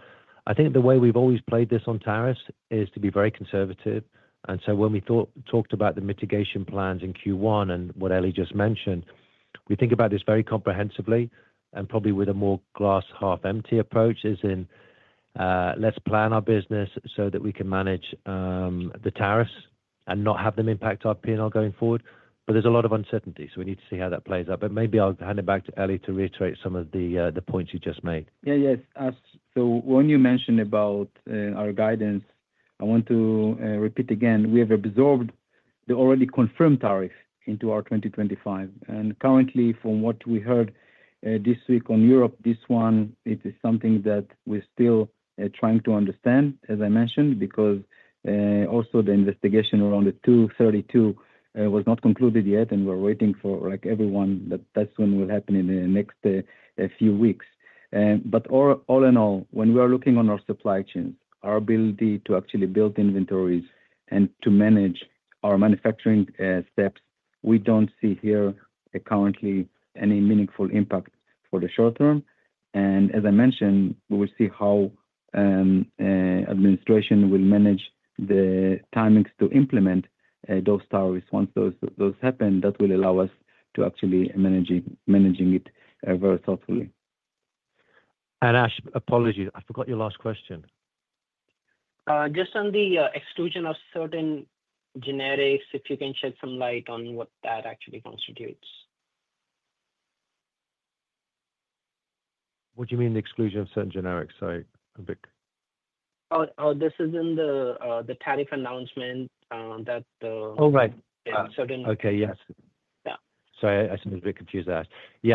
I think the way we've always played this on tariffs is to be very conservative. When we talked about the mitigation plans in Q1 and what Eli just mentioned, we think about this very comprehensively and probably with a more glass-half-empty approach as in. Let's plan our business so that we can manage the tariffs and not have them impact our P&L going forward. There's a lot of uncertainty, so we need to see how that plays out. Maybe I'll hand it back to Eli to reiterate some of the points you just made. Yeah, yes. When you mentioned about our guidance, I want to repeat again, we have absorbed the already confirmed tariff into our 2025. Currently, from what we heard this week on Europe, this one, it is something that we're still trying to understand, as I mentioned, because also the investigation around the 232 was not concluded yet, and we're waiting for everyone. That's when it will happen in the next few weeks. All in all, when we are looking on our supply chains, our ability to actually build inventories and to manage our manufacturing steps, we don't see here currently any meaningful impact for the short term. As I mentioned, we will see how administration will manage the timings to implement those tariffs. Once those happen, that will allow us to actually manage it very thoughtfully. Ash, apologies, I forgot your last question. Just on the exclusion of certain generics, if you can shed some light on what that actually constitutes. What do you mean the exclusion of certain generics? Sorry, Vic. Oh, this is in the tariff announcement that the— Oh, right. Certain—Okay, yes. Sorry, I was a bit confused there.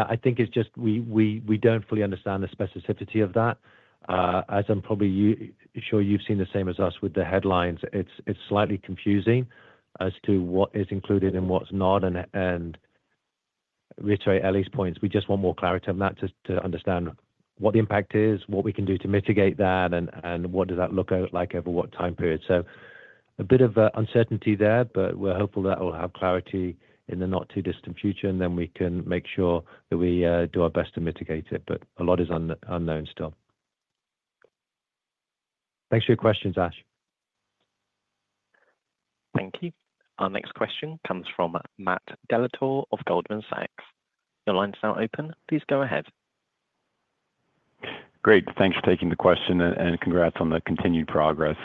I think it's just we don't fully understand the specificity of that. As I'm probably sure you've seen the same as us with the headlines, it's slightly confusing as to what is included and what's not. Reiterate Eli's points, we just want more clarity on that to understand what the impact is, what we can do to mitigate that, and what does that look like over what time period. A bit of uncertainty there, but we're hopeful that we'll have clarity in the not too distant future, and then we can make sure that we do our best to mitigate it. A lot is unknown still. Thanks for your questions, Ash. Thank you. Our next question comes from Matt Delator of Goldman Sachs. Your line's now open. Please go ahead. Great. Thanks for taking the question and congrats on the continued progress.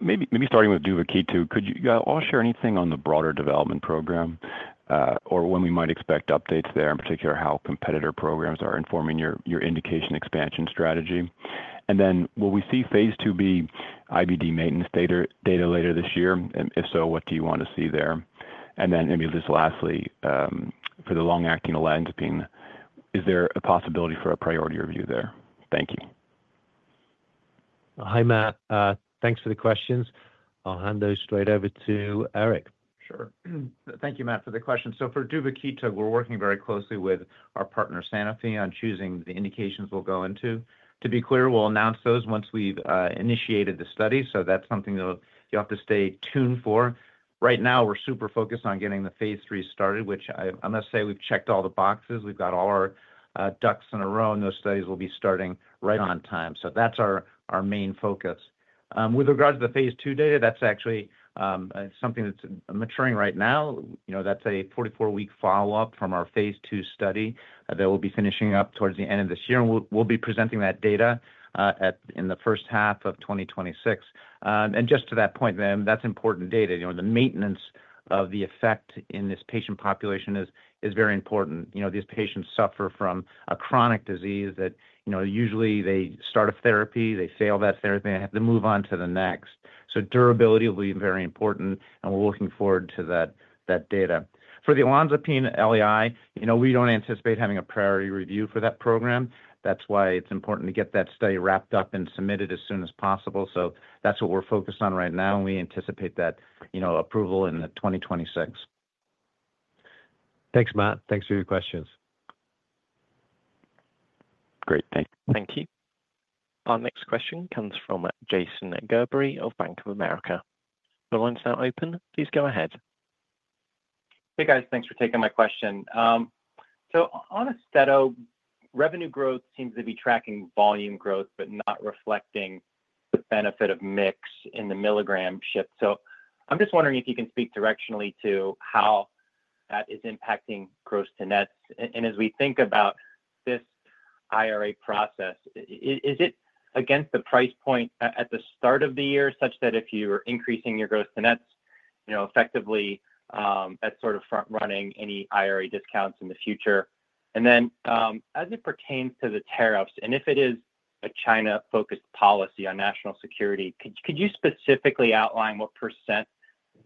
Maybe starting with duvakitug, could you all share anything on the broader development program. Or when we might expect updates there, in particular how competitor programs are informing your indication expansion strategy? And then, will we see phase II IBD maintenance data later this year? If so, what do you want to see there? And then maybe just lastly. For the long-acting olanzapine, is there a possibility for a priority review there? Thank you. Hi, Matt. Thanks for the questions. I'll hand those straight over to Eric. Sure. Thank you, Matt, for the question. So for duvakitug, we're working very closely with our partner, Sanofi, on choosing the indications we'll go into. To be clear, we'll announce those once we've initiated the study. That's something you'll have to stay tuned for. Right now, we're super focused on getting the phase III started, which I must say, we've checked all the boxes. We've got all our ducks in a row. Those studies will be starting right on time. That's our main focus. With regards to the phase II data, that's actually something that's maturing right now. That's a 44-week follow-up from our phase II study that we'll be finishing up towards the end of this year. We'll be presenting that data in the first half of 2026. Just to that point, that's important data. The maintenance of the effect in this patient population is very important. These patients suffer from a chronic disease that usually they start a therapy, they fail that therapy, and they have to move on to the next. Durability will be very important, and we're looking forward to that data. For the olanzapine [LAI], we don't anticipate having a priority review for that program. That's why it's important to get that study wrapped up and submitted as soon as possible. That's what we're focused on right now. We anticipate that approval in 2026. Thanks, Matt. Thanks for your questions. Great. Thank you. Thank you. Our next question comes from Jason Gerberry of Bank of America. The line's now open. Please go ahead. Hey, guys. Thanks for taking my question. On AUSTEDO, revenue growth seems to be tracking volume growth, but not reflecting the benefit of mix in the milligram shift. I'm just wondering if you can speak directionally to how that is impacting gross to nets. As we think about this IRA process, is it against the price point at the start of the year such that if you were increasing your gross to nets, effectively that's sort of front-running any IRA discounts in the future? As it pertains to the tariffs, and if it is a China-focused policy on national security, could you specifically outline what percent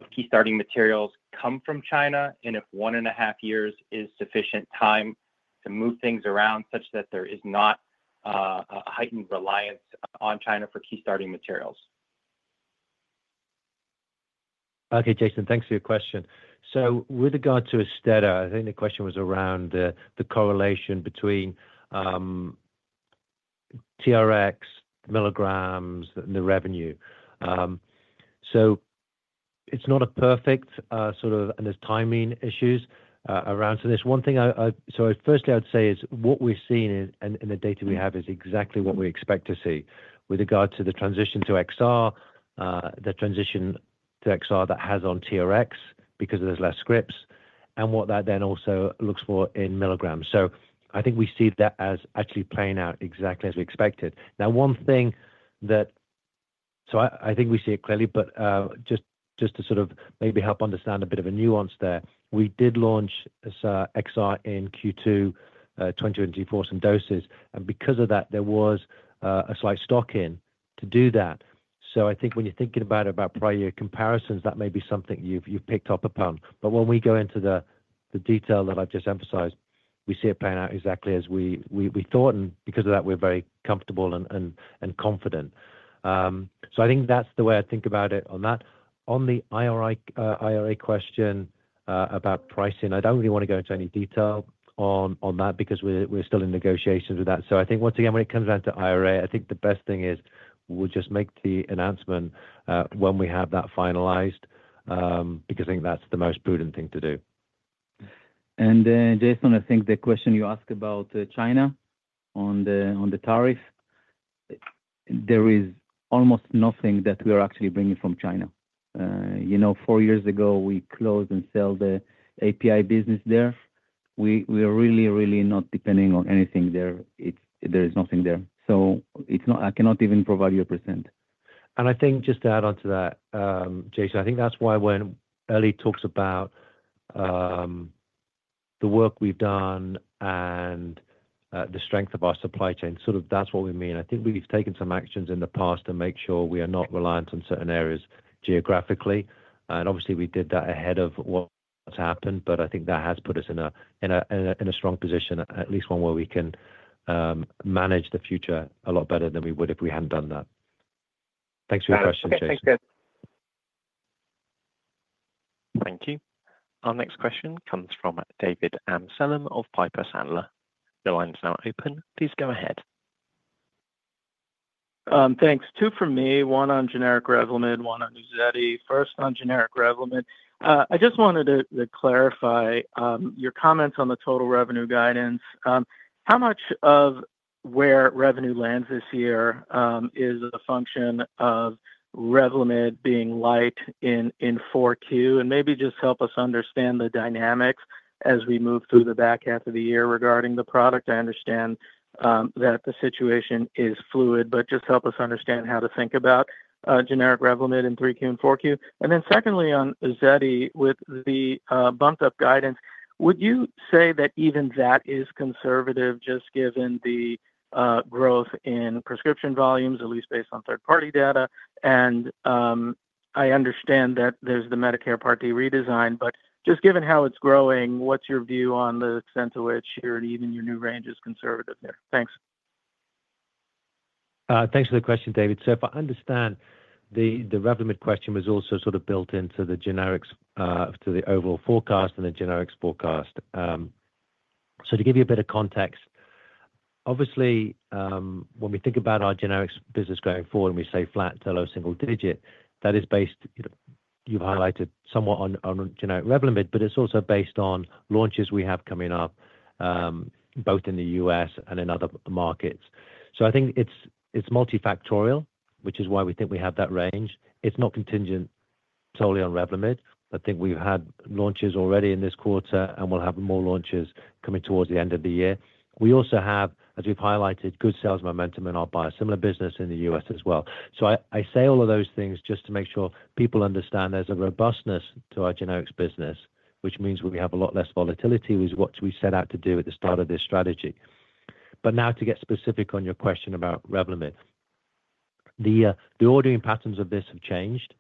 of key starting materials come from China? If one and a half years is sufficient time to move things around such that there is not a heightened reliance on China for key starting materials? Okay, Jason, thanks for your question. With regard to AUSTEDO, I think the question was around the correlation between TRX, milligrams, and the revenue. It's not a perfect sort of, and there's timing issues around. One thing I would say is what we're seeing in the data we have is exactly what we expect to see with regard to the transition to XR, the transition to XR that has on TRX because there's less scripts, and what that then also looks for in milligrams. I think we see that as actually playing out exactly as we expected. Now, one thing that—I think we see it clearly, but just to maybe help understand a bit of a nuance there, we did launch XR in Q2 2024, some doses. Because of that, there was a slight stock in to do that. When you're thinking about it, about prior year comparisons, that may be something you've picked up upon. When we go into the detail that I've just emphasized, we see it playing out exactly as we thought. Because of that, we're very comfortable and confident. I think that's the way I think about it on that. On the IRA question about pricing, I don't really want to go into any detail on that because we're still in negotiations with that. Once again, when it comes down to IRA, I think the best thing is we'll just make the announcement when we have that finalized. I think that's the most prudent thing to do. Jason, I think the question you asked about China on the tariff. There is almost nothing that we are actually bringing from China. Four years ago, we closed and sold the API business there. We are really, really not depending on anything there. There is nothing there. I cannot even provide you a percent. Just to add on to that, Jason, I think that's why when Eli talks about. The work we've done and the strength of our supply chain, sort of that's what we mean. I think we've taken some actions in the past to make sure we are not reliant on certain areas geographically. Obviously, we did that ahead of what's happened, but I think that has put us in a strong position, at least one where we can manage the future a lot better than we would if we hadn't done that. Thanks for your question, Jason. Thanks, Jason. Thank you. Our next question comes from David Amsellem of Piper Sandler. The line's now open. Please go ahead. Thanks. Two for me, one on generic Revlimid, one on [UZEDY]. First on generic Revlimid. I just wanted to clarify your comments on the total revenue guidance. How much of where revenue lands this year is a function of Revlimid being light in 4Q? Maybe just help us understand the dynamics as we move through the back half of the year regarding the product. I understand that the situation is fluid, but just help us understand how to think about generic Revlimid in 3Q and 4Q. Then secondly, on UZEDY, with the bumped-up guidance, would you say that even that is conservative, just given the growth in prescription volumes, at least based on third-party data? I understand that there's the Medicare Part D redesign, but just given how it's growing, what's your view on the extent to which even your new range is conservative there? Thanks. Thanks for the question, David. If I understand, the Revlimid question was also sort of built into the generics, to the overall forecast and the generics forecast. To give you a bit of context, obviously, when we think about our generics business going forward, and we say flat, low single digit, that is based, you've highlighted somewhat on generic Revlimid, but it's also based on launches we have coming up, both in the U.S. and in other markets. I think it's multifactorial, which is why we think we have that range. It's not contingent solely on Revlimid. I think we've had launches already in this quarter, and we'll have more launches coming towards the end of the year. We also have, as we've highlighted, good sales momentum in our biosimilar business in the U.S. as well. I say all of those things just to make sure people understand there's a robustness to our generics business, which means we have a lot less volatility, which is what we set out to do at the start of this strategy. Now to get specific on your question about Revlimid. The ordering patterns of this have changed.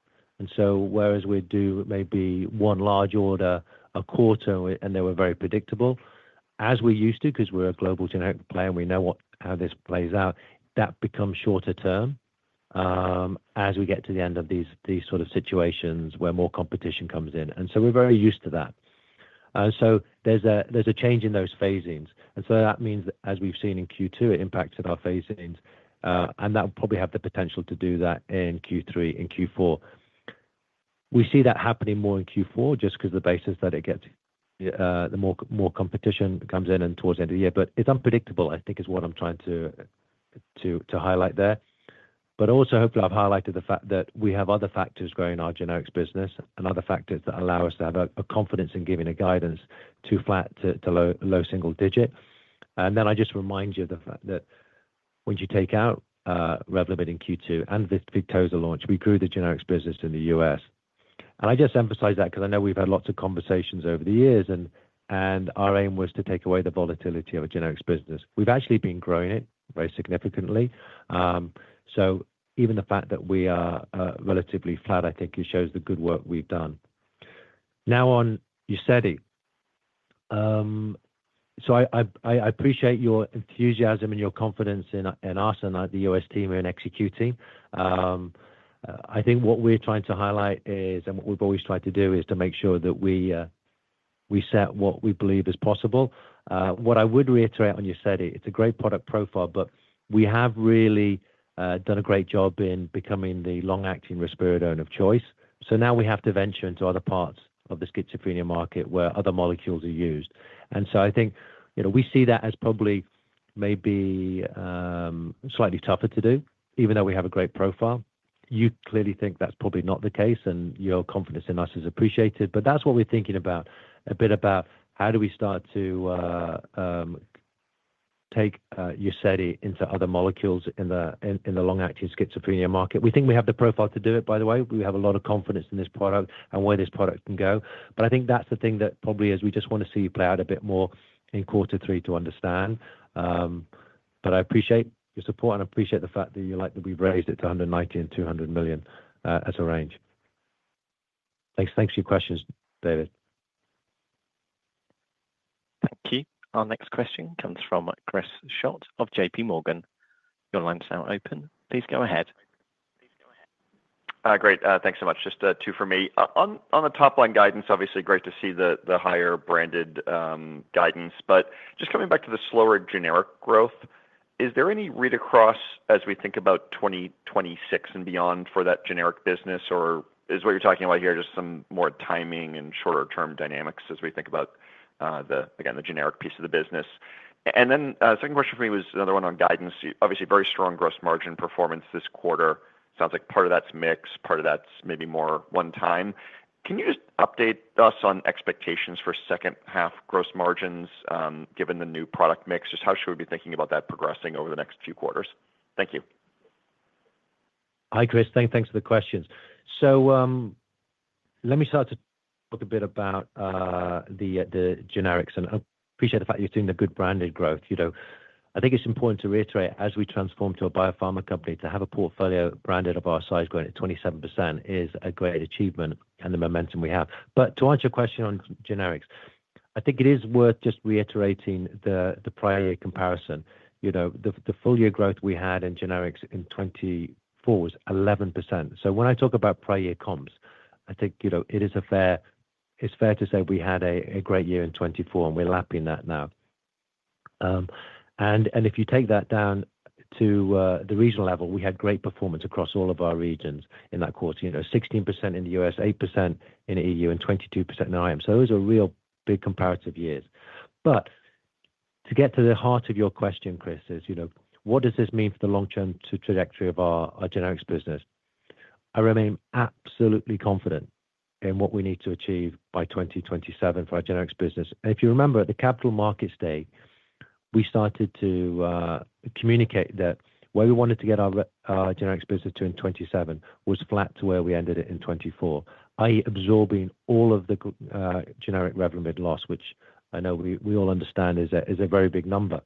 Whereas we do maybe one large order a quarter, and they were very predictable, as we used to, because we are a global generic player, and we know how this plays out, that becomes shorter term. As we get to the end of these sort of situations where more competition comes in. We are very used to that. There is a change in those phasings. That means that, as we have seen in Q2, it impacted our phasings, and that will probably have the potential to do that in Q3 and Q4. We see that happening more in Q4 just because of the basis that it gets. The more competition comes in and towards the end of the year. It is unpredictable, I think, is what I am trying to highlight there. Also, hopefully, I have highlighted the fact that we have other factors growing our generics business and other factors that allow us to have a confidence in giving a guidance to flat to low single digit. I just remind you of the fact that when you take out Revlimid in Q2 and Victoza launch, we grew the generics business in the U.S. I just emphasize that because I know we have had lots of conversations over the years, and our aim was to take away the volatility of a generics business. We have actually been growing it very significantly. Even the fact that we are relatively flat, I think, shows the good work we have done. Now on UZEDY. I appreciate your enthusiasm and your confidence in us and the U.S. team and executing. I think what we are trying to highlight is, and what we have always tried to do, is to make sure that we set what we believe is possible. What I would reiterate on UZEDY, it is a great product profile, but we have really done a great job in becoming the long-acting risperidone of choice. Now we have to venture into other parts of the schizophrenia market where other molecules are used. I think we see that as probably maybe slightly tougher to do, even though we have a great profile. You clearly think that is probably not the case, and your confidence in us is appreciated. That is what we are thinking about, a bit about how do we start to take UZEDY into other molecules in the long-acting schizophrenia market. We think we have the profile to do it, by the way. We have a lot of confidence in this product and where this product can go. I think that is the thing that probably, as we just want to see you play out a bit more in quarter three to understand. But I appreciate your support, and I appreciate the fact that you like that we've raised it to $190 million-$200 million as a range. Thanks for your questions, David. Thank you. Our next question comes from Chris Schultz of JP Morgan. Your line's now open. Please go ahead. Great. Thanks so much. Just two for me. On the top-line guidance, obviously, great to see the higher-branded guidance. Just coming back to the slower generic growth, is there any read across as we think about 2026 and beyond for that generic business? Or is what you're talking about here just some more timing and shorter-term dynamics as we think about, again, the generic piece of the business? The second question for me was another one on guidance. Obviously, very strong gross margin performance this quarter. Sounds like part of that's mix, part of that's maybe more one-time. Can you just update us on expectations for second-half gross margins given the new product mix? Just how should we be thinking about that progressing over the next few quarters? Thank you. Hi, Chris. Thanks for the questions. Let me start to talk a bit about the generics. I appreciate the fact you're seeing the good branded growth. I think it's important to reiterate, as we transform to a biopharma company, to have a portfolio branded of our size growing at 27% is a great achievement and the momentum we have. To answer your question on generics, I think it is worth just reiterating the prior year comparison. The full year growth we had in generics in 2024 was 11%. When I talk about prior year comps, I think it is fair. It's fair to say we had a great year in 2024, and we're lapping that now. If you take that down to the regional level, we had great performance across all of our regions in that quarter: 16% in the U.S., 8% in the EU, and 22% in IM. Those are real big comparative years. To get to the heart of your question, Chris, what does this mean for the long-term trajectory of our generics business? I remain absolutely confident in what we need to achieve by 2027 for our generics business. If you remember, at the capital markets day, we started to communicate that where we wanted to get our generics business to in 2027 was flat to where we ended it in 2024, i.e., absorbing all of the generic Revlimid loss, which I know we all understand is a very big number.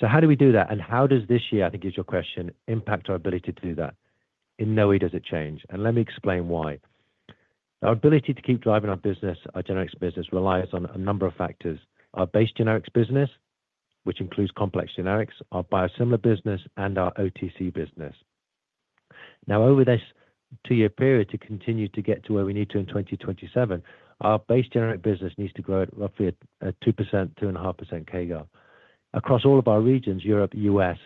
How do we do that? How does this year, I think is your question, impact our ability to do that? In no way does it change. Let me explain why. Our ability to keep driving our generics business relies on a number of factors: our base generics business, which includes complex generics, our biosimilar business, and our OTC business. Now, over this two-year period, to continue to get to where we need to in 2027, our base generic business needs to grow at roughly a 2%-2.5% kgal. Across all of our regions, Europe, U.S.,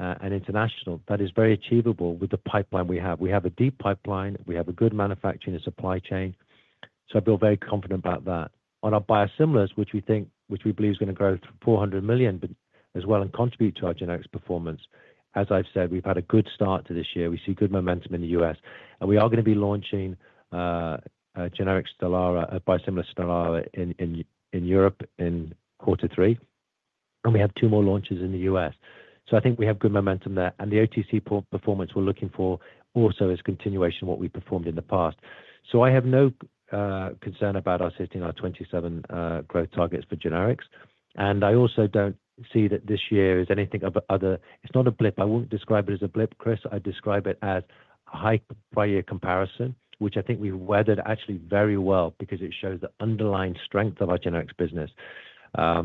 and international, that is very achievable with the pipeline we have. We have a deep pipeline. We have a good manufacturing and supply chain. I feel very confident about that. On our biosimilars, which we believe is going to grow to $400 million as well and contribute to our generics performance, as I've said, we've had a good start to this year. We see good momentum in the U.S. We are going to be launching a biosimilar Stelara in Europe in quarter three. We have two more launches in the U.S. I think we have good momentum there. The OTC performance we're looking for also is a continuation of what we performed in the past. I have no concern about us hitting our 2027 growth targets for generics. I also don't see that this year is anything of a—it's not a blip. I won't describe it as a blip, Chris. I describe it as a high prior year comparison, which I think we've weathered actually very well because it shows the underlying strength of our generics business. I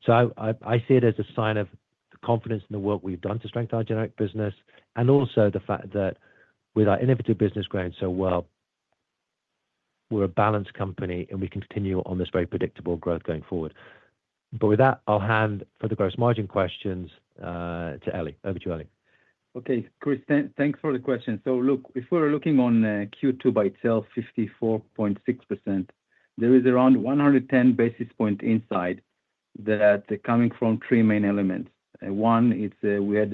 see it as a sign of confidence in the work we've done to strengthen our generic business and also the fact that with our innovative business growing so well, we're a balanced company, and we continue on this very predictable growth going forward. With that, I'll hand for the gross margin questions to you, Eli. Okay, Chris, thanks for the question. If we're looking on Q2 by itself, 54.6%, there is around 110 basis points inside that are coming from three main elements. One, we had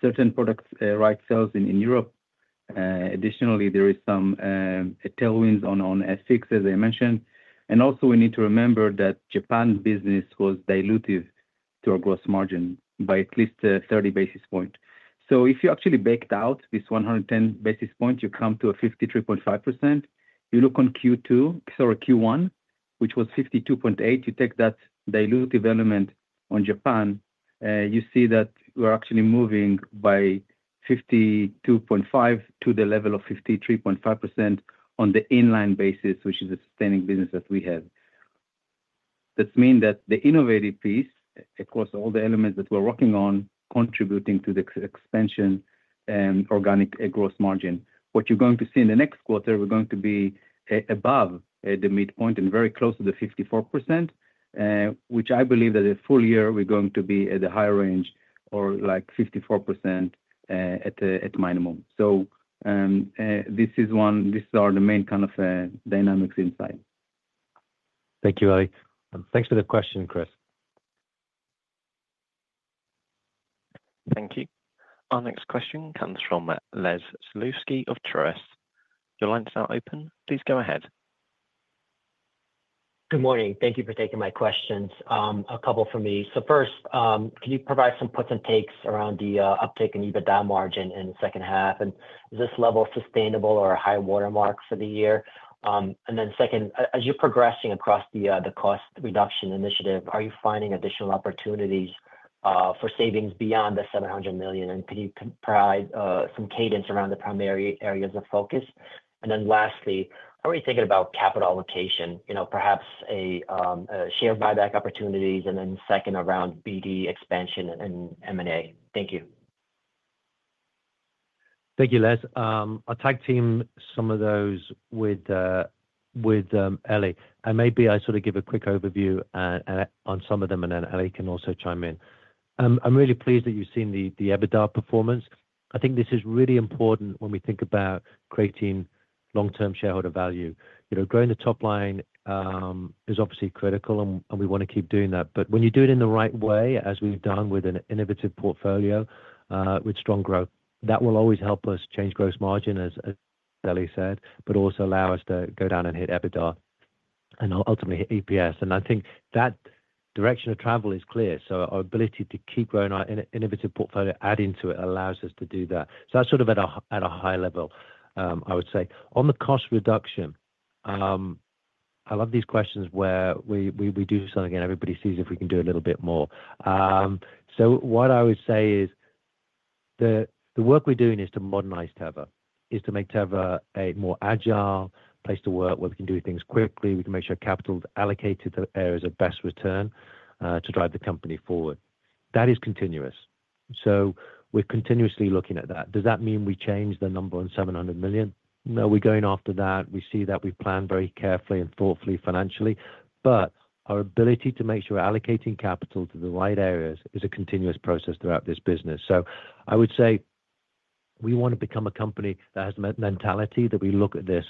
certain product right sales in Europe. Additionally, there are some tailwinds on F6, as I mentioned. Also, we need to remember that Japan business was dilutive to our gross margin by at least 30 basis points. If you actually backed out this 110 basis points, you come to a 53.5%. You look on Q1, which was 52.8%, you take that dilutive element on Japan, you see that we're actually moving by 52.5% to the level of 53.5% on the inline basis, which is a sustaining business that we have. That means that the innovative piece across all the elements that we're working on contributes to the expansion and organic gross margin. What you're going to see in the next quarter, we're going to be above the midpoint and very close to the 54%. Which I believe that the full year we're going to be at the higher range or like 54%. At minimum. So. This is one—these are the main kind of dynamics inside. Thank you, Eli. Thanks for the question, Chris. Thank you. Our next question comes from Les Saloufski of Trust. Your lines are open. Please go ahead. Good morning. Thank you for taking my questions. A couple for me. So first, can you provide some puts and takes around the uptake and EBITDA margin in the second half? And is this level sustainable or a high watermark for the year? And then second, as you're progressing across the cost reduction initiative, are you finding additional opportunities for savings beyond the $700 million? And can you provide some cadence around the primary areas of focus? And then lastly, how are you thinking about capital allocation, perhaps share buyback opportunities? And then second, around BD expansion and M&A? Thank you. Thank you, Les. I'll tag team some of those with. Eli. And maybe I sort of give a quick overview on some of them, and then Eli can also chime in. I'm really pleased that you've seen the EBITDA performance. I think this is really important when we think about creating long-term shareholder value. Growing the top line. Is obviously critical, and we want to keep doing that. But when you do it in the right way, as we've done with an innovative portfolio, with strong growth, that will always help us change gross margin, as Eli said, but also allow us to go down and hit EBITDA and ultimately hit EPS. And I think that direction of travel is clear. So our ability to keep growing our innovative portfolio, adding to it, allows us to do that. So that's sort of at a high level, I would say. On the cost reduction. I love these questions where we do something and everybody sees if we can do a little bit more. So what I would say is. The work we're doing is to modernize Teva, is to make Teva a more agile place to work where we can do things quickly. We can make sure capital is allocated to areas of best return to drive the company forward. That is continuous. So we're continuously looking at that. Does that mean we change the number on $700 million? No, we're going after that. We see that we've planned very carefully and thoughtfully financially. But our ability to make sure we're allocating capital to the right areas is a continuous process throughout this business. I would say we want to become a company that has a mentality that we look at this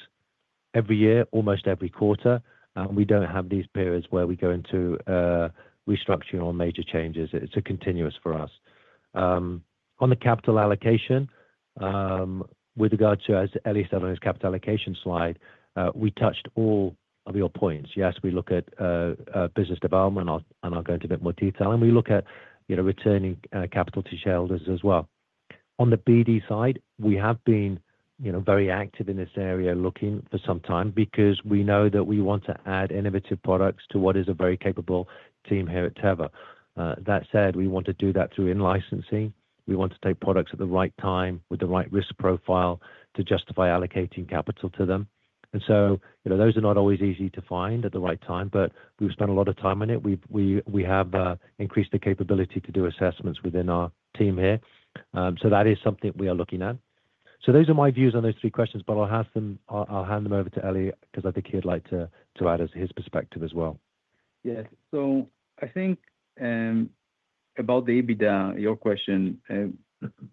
every year, almost every quarter. We don't have these periods where we go into restructuring or major changes. It's continuous for us. On the capital allocation, with regard to, as Eli said on his capital allocation slide, we touched all of your points. Yes, we look at business development, and I'll go into a bit more detail. We look at returning capital to shareholders as well. On the BD side, we have been very active in this area looking for some time because we know that we want to add innovative products to what is a very capable team here at Teva. That said, we want to do that through in-licensing. We want to take products at the right time with the right risk profile to justify allocating capital to them. Those are not always easy to find at the right time, but we've spent a lot of time on it. We have increased the capability to do assessments within our team here. That is something we are looking at. Those are my views on those three questions, but I'll hand them over to Eli because I think he'd like to add his perspective as well. Yeah. I think about the EBITDA, your question.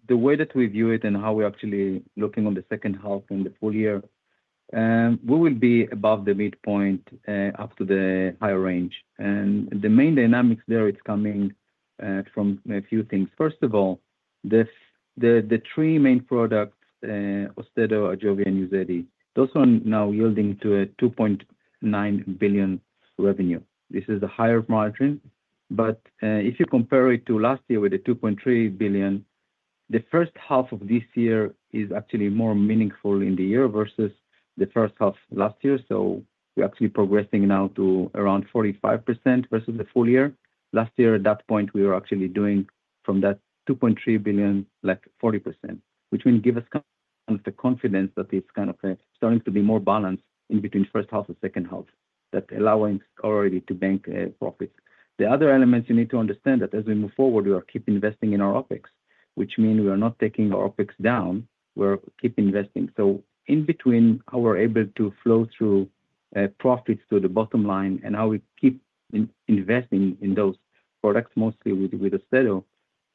The way that we view it and how we're actually looking on the second half and the full year, we will be above the midpoint up to the higher range. The main dynamics there, it's coming from a few things. First of all, the three main products, AUSTEDO, AJOVY, and UZEDY, those are now yielding to a $2.9 billion revenue. This is a higher margin. If you compare it to last year with a $2.3 billion, the first half of this year is actually more meaningful in the year versus the first half last year. We're actually progressing now to around 45% versus the full year. Last year, at that point, we were actually doing from that $2.3 billion, like 40%, which means it gives us kind of the confidence that it's kind of starting to be more balanced in between first half and second half, that allowing already to bank profits. The other elements you need to understand that as we move forward, we are keep investing in our OpEx, which means we are not taking our OpEx down. We're keep investing. In between how we're able to flow through. Profits to the bottom line and how we keep investing in those products, mostly with AUSTEDO,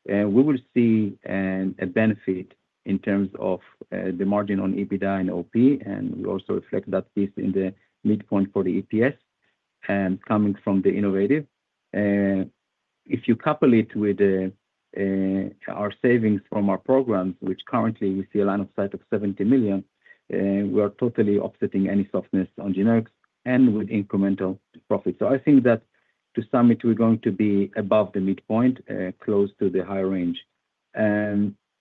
we will see a benefit in terms of the margin on EBITDA and OP. And we also reflect that piece in the midpoint for the EPS coming from the innovative. If you couple it with our savings from our programs, which currently we see a line of sight of $70 million, we are totally offsetting any softness on generics and with incremental profits. I think that to sum it, we're going to be above the midpoint, close to the higher range.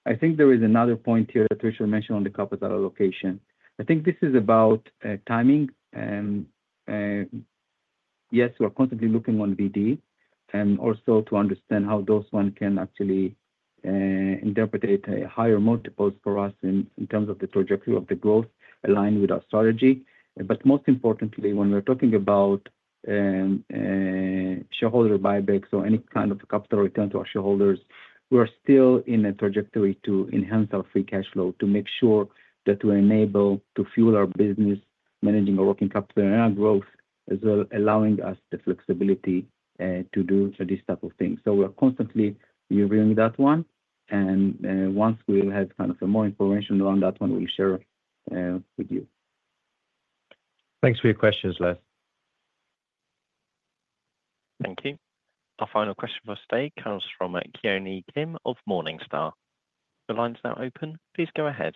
I think there is another point here that Richard mentioned on the capital allocation. I think this is about timing. Yes, we're constantly looking on BD and also to understand how those one can actually interpretate higher multiples for us in terms of the trajectory of the growth aligned with our strategy. Most importantly, when we're talking about shareholder buybacks or any kind of capital return to our shareholders, we're still in a trajectory to enhance our free cash flow to make sure that we're enabled to fuel our business, managing our working capital and our growth, as well allowing us the flexibility to do these types of things. We're constantly reviewing that one. Once we have kind of more information around that one, we'll share with you. Thanks for your questions, Les. Thank you. Our final question for today comes from Keonhee Kim of Morningstar. The line's now open. Please go ahead.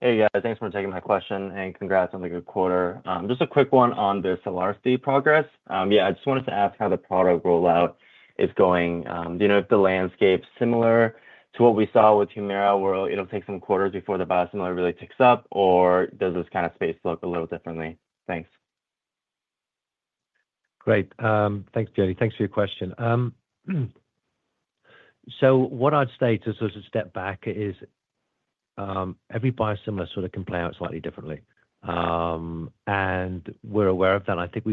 Hey, guys. Thanks for taking my question. And congrats on the good quarter. Just a quick one on the SELARSDI progress. Yeah, I just wanted to ask how the product rollout is going. Do you know if the landscape is similar to what we saw with Humira, where it'll take some quarters before the biosimilar really ticks up, or does this kind of space look a little differently? Thanks. Great. Thanks, Keonhee. Thanks for your question. What I'd say to sort of step back is every biosimilar sort of can play out slightly differently. We're aware of that. I think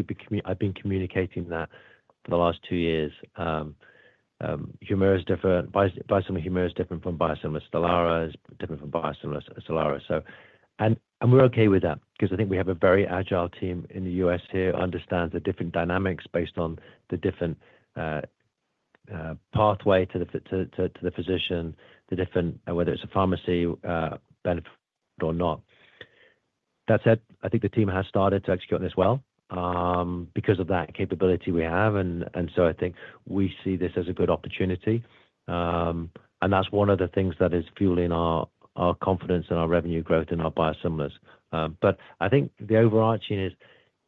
I've been communicating that for the last two years. Humira is different. Biosimilar Humira is different from biosimilar. Stelara is different from biosimilar Stelara. We're okay with that because I think we have a very agile team in the U.S. here who understands the different dynamics based on the different pathway to the physician, whether it's a pharmacy benefit or not. That said, I think the team has started to execute on this well because of that capability we have. I think we see this as a good opportunity. That is one of the things that is fueling our confidence and our revenue growth in our biosimilars. I think the overarching is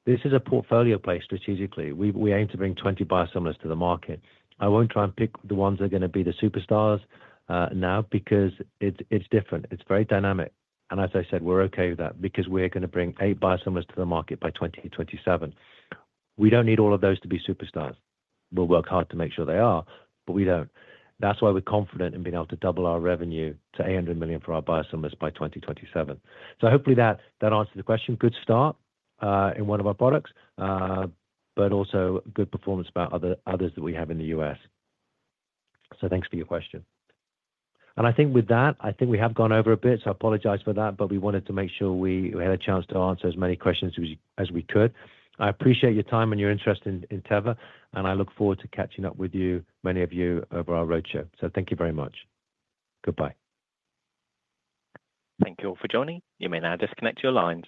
this is a portfolio play strategically. We aim to bring 20 biosimilars to the market. I will not try and pick the ones that are going to be the superstars now because it is different. It is very dynamic. As I said, we are okay with that because we are going to bring eight biosimilars to the market by 2027. We do not need all of those to be superstars. We will work hard to make sure they are, but we do not. That is why we are confident in being able to double our revenue to $800 million for our biosimilars by 2027. Hopefully that answers the question. Good start in one of our products. Also good performance about others that we have in the U.S. Thank you for your question. I think with that, we have gone over a bit, so I apologize for that, but we wanted to make sure we had a chance to answer as many questions as we could. I appreciate your time and your interest in Teva, and I look forward to catching up with many of you over our roadshow. Thank you very much. Goodbye. Thank you all for joining. You may now disconnect your lines.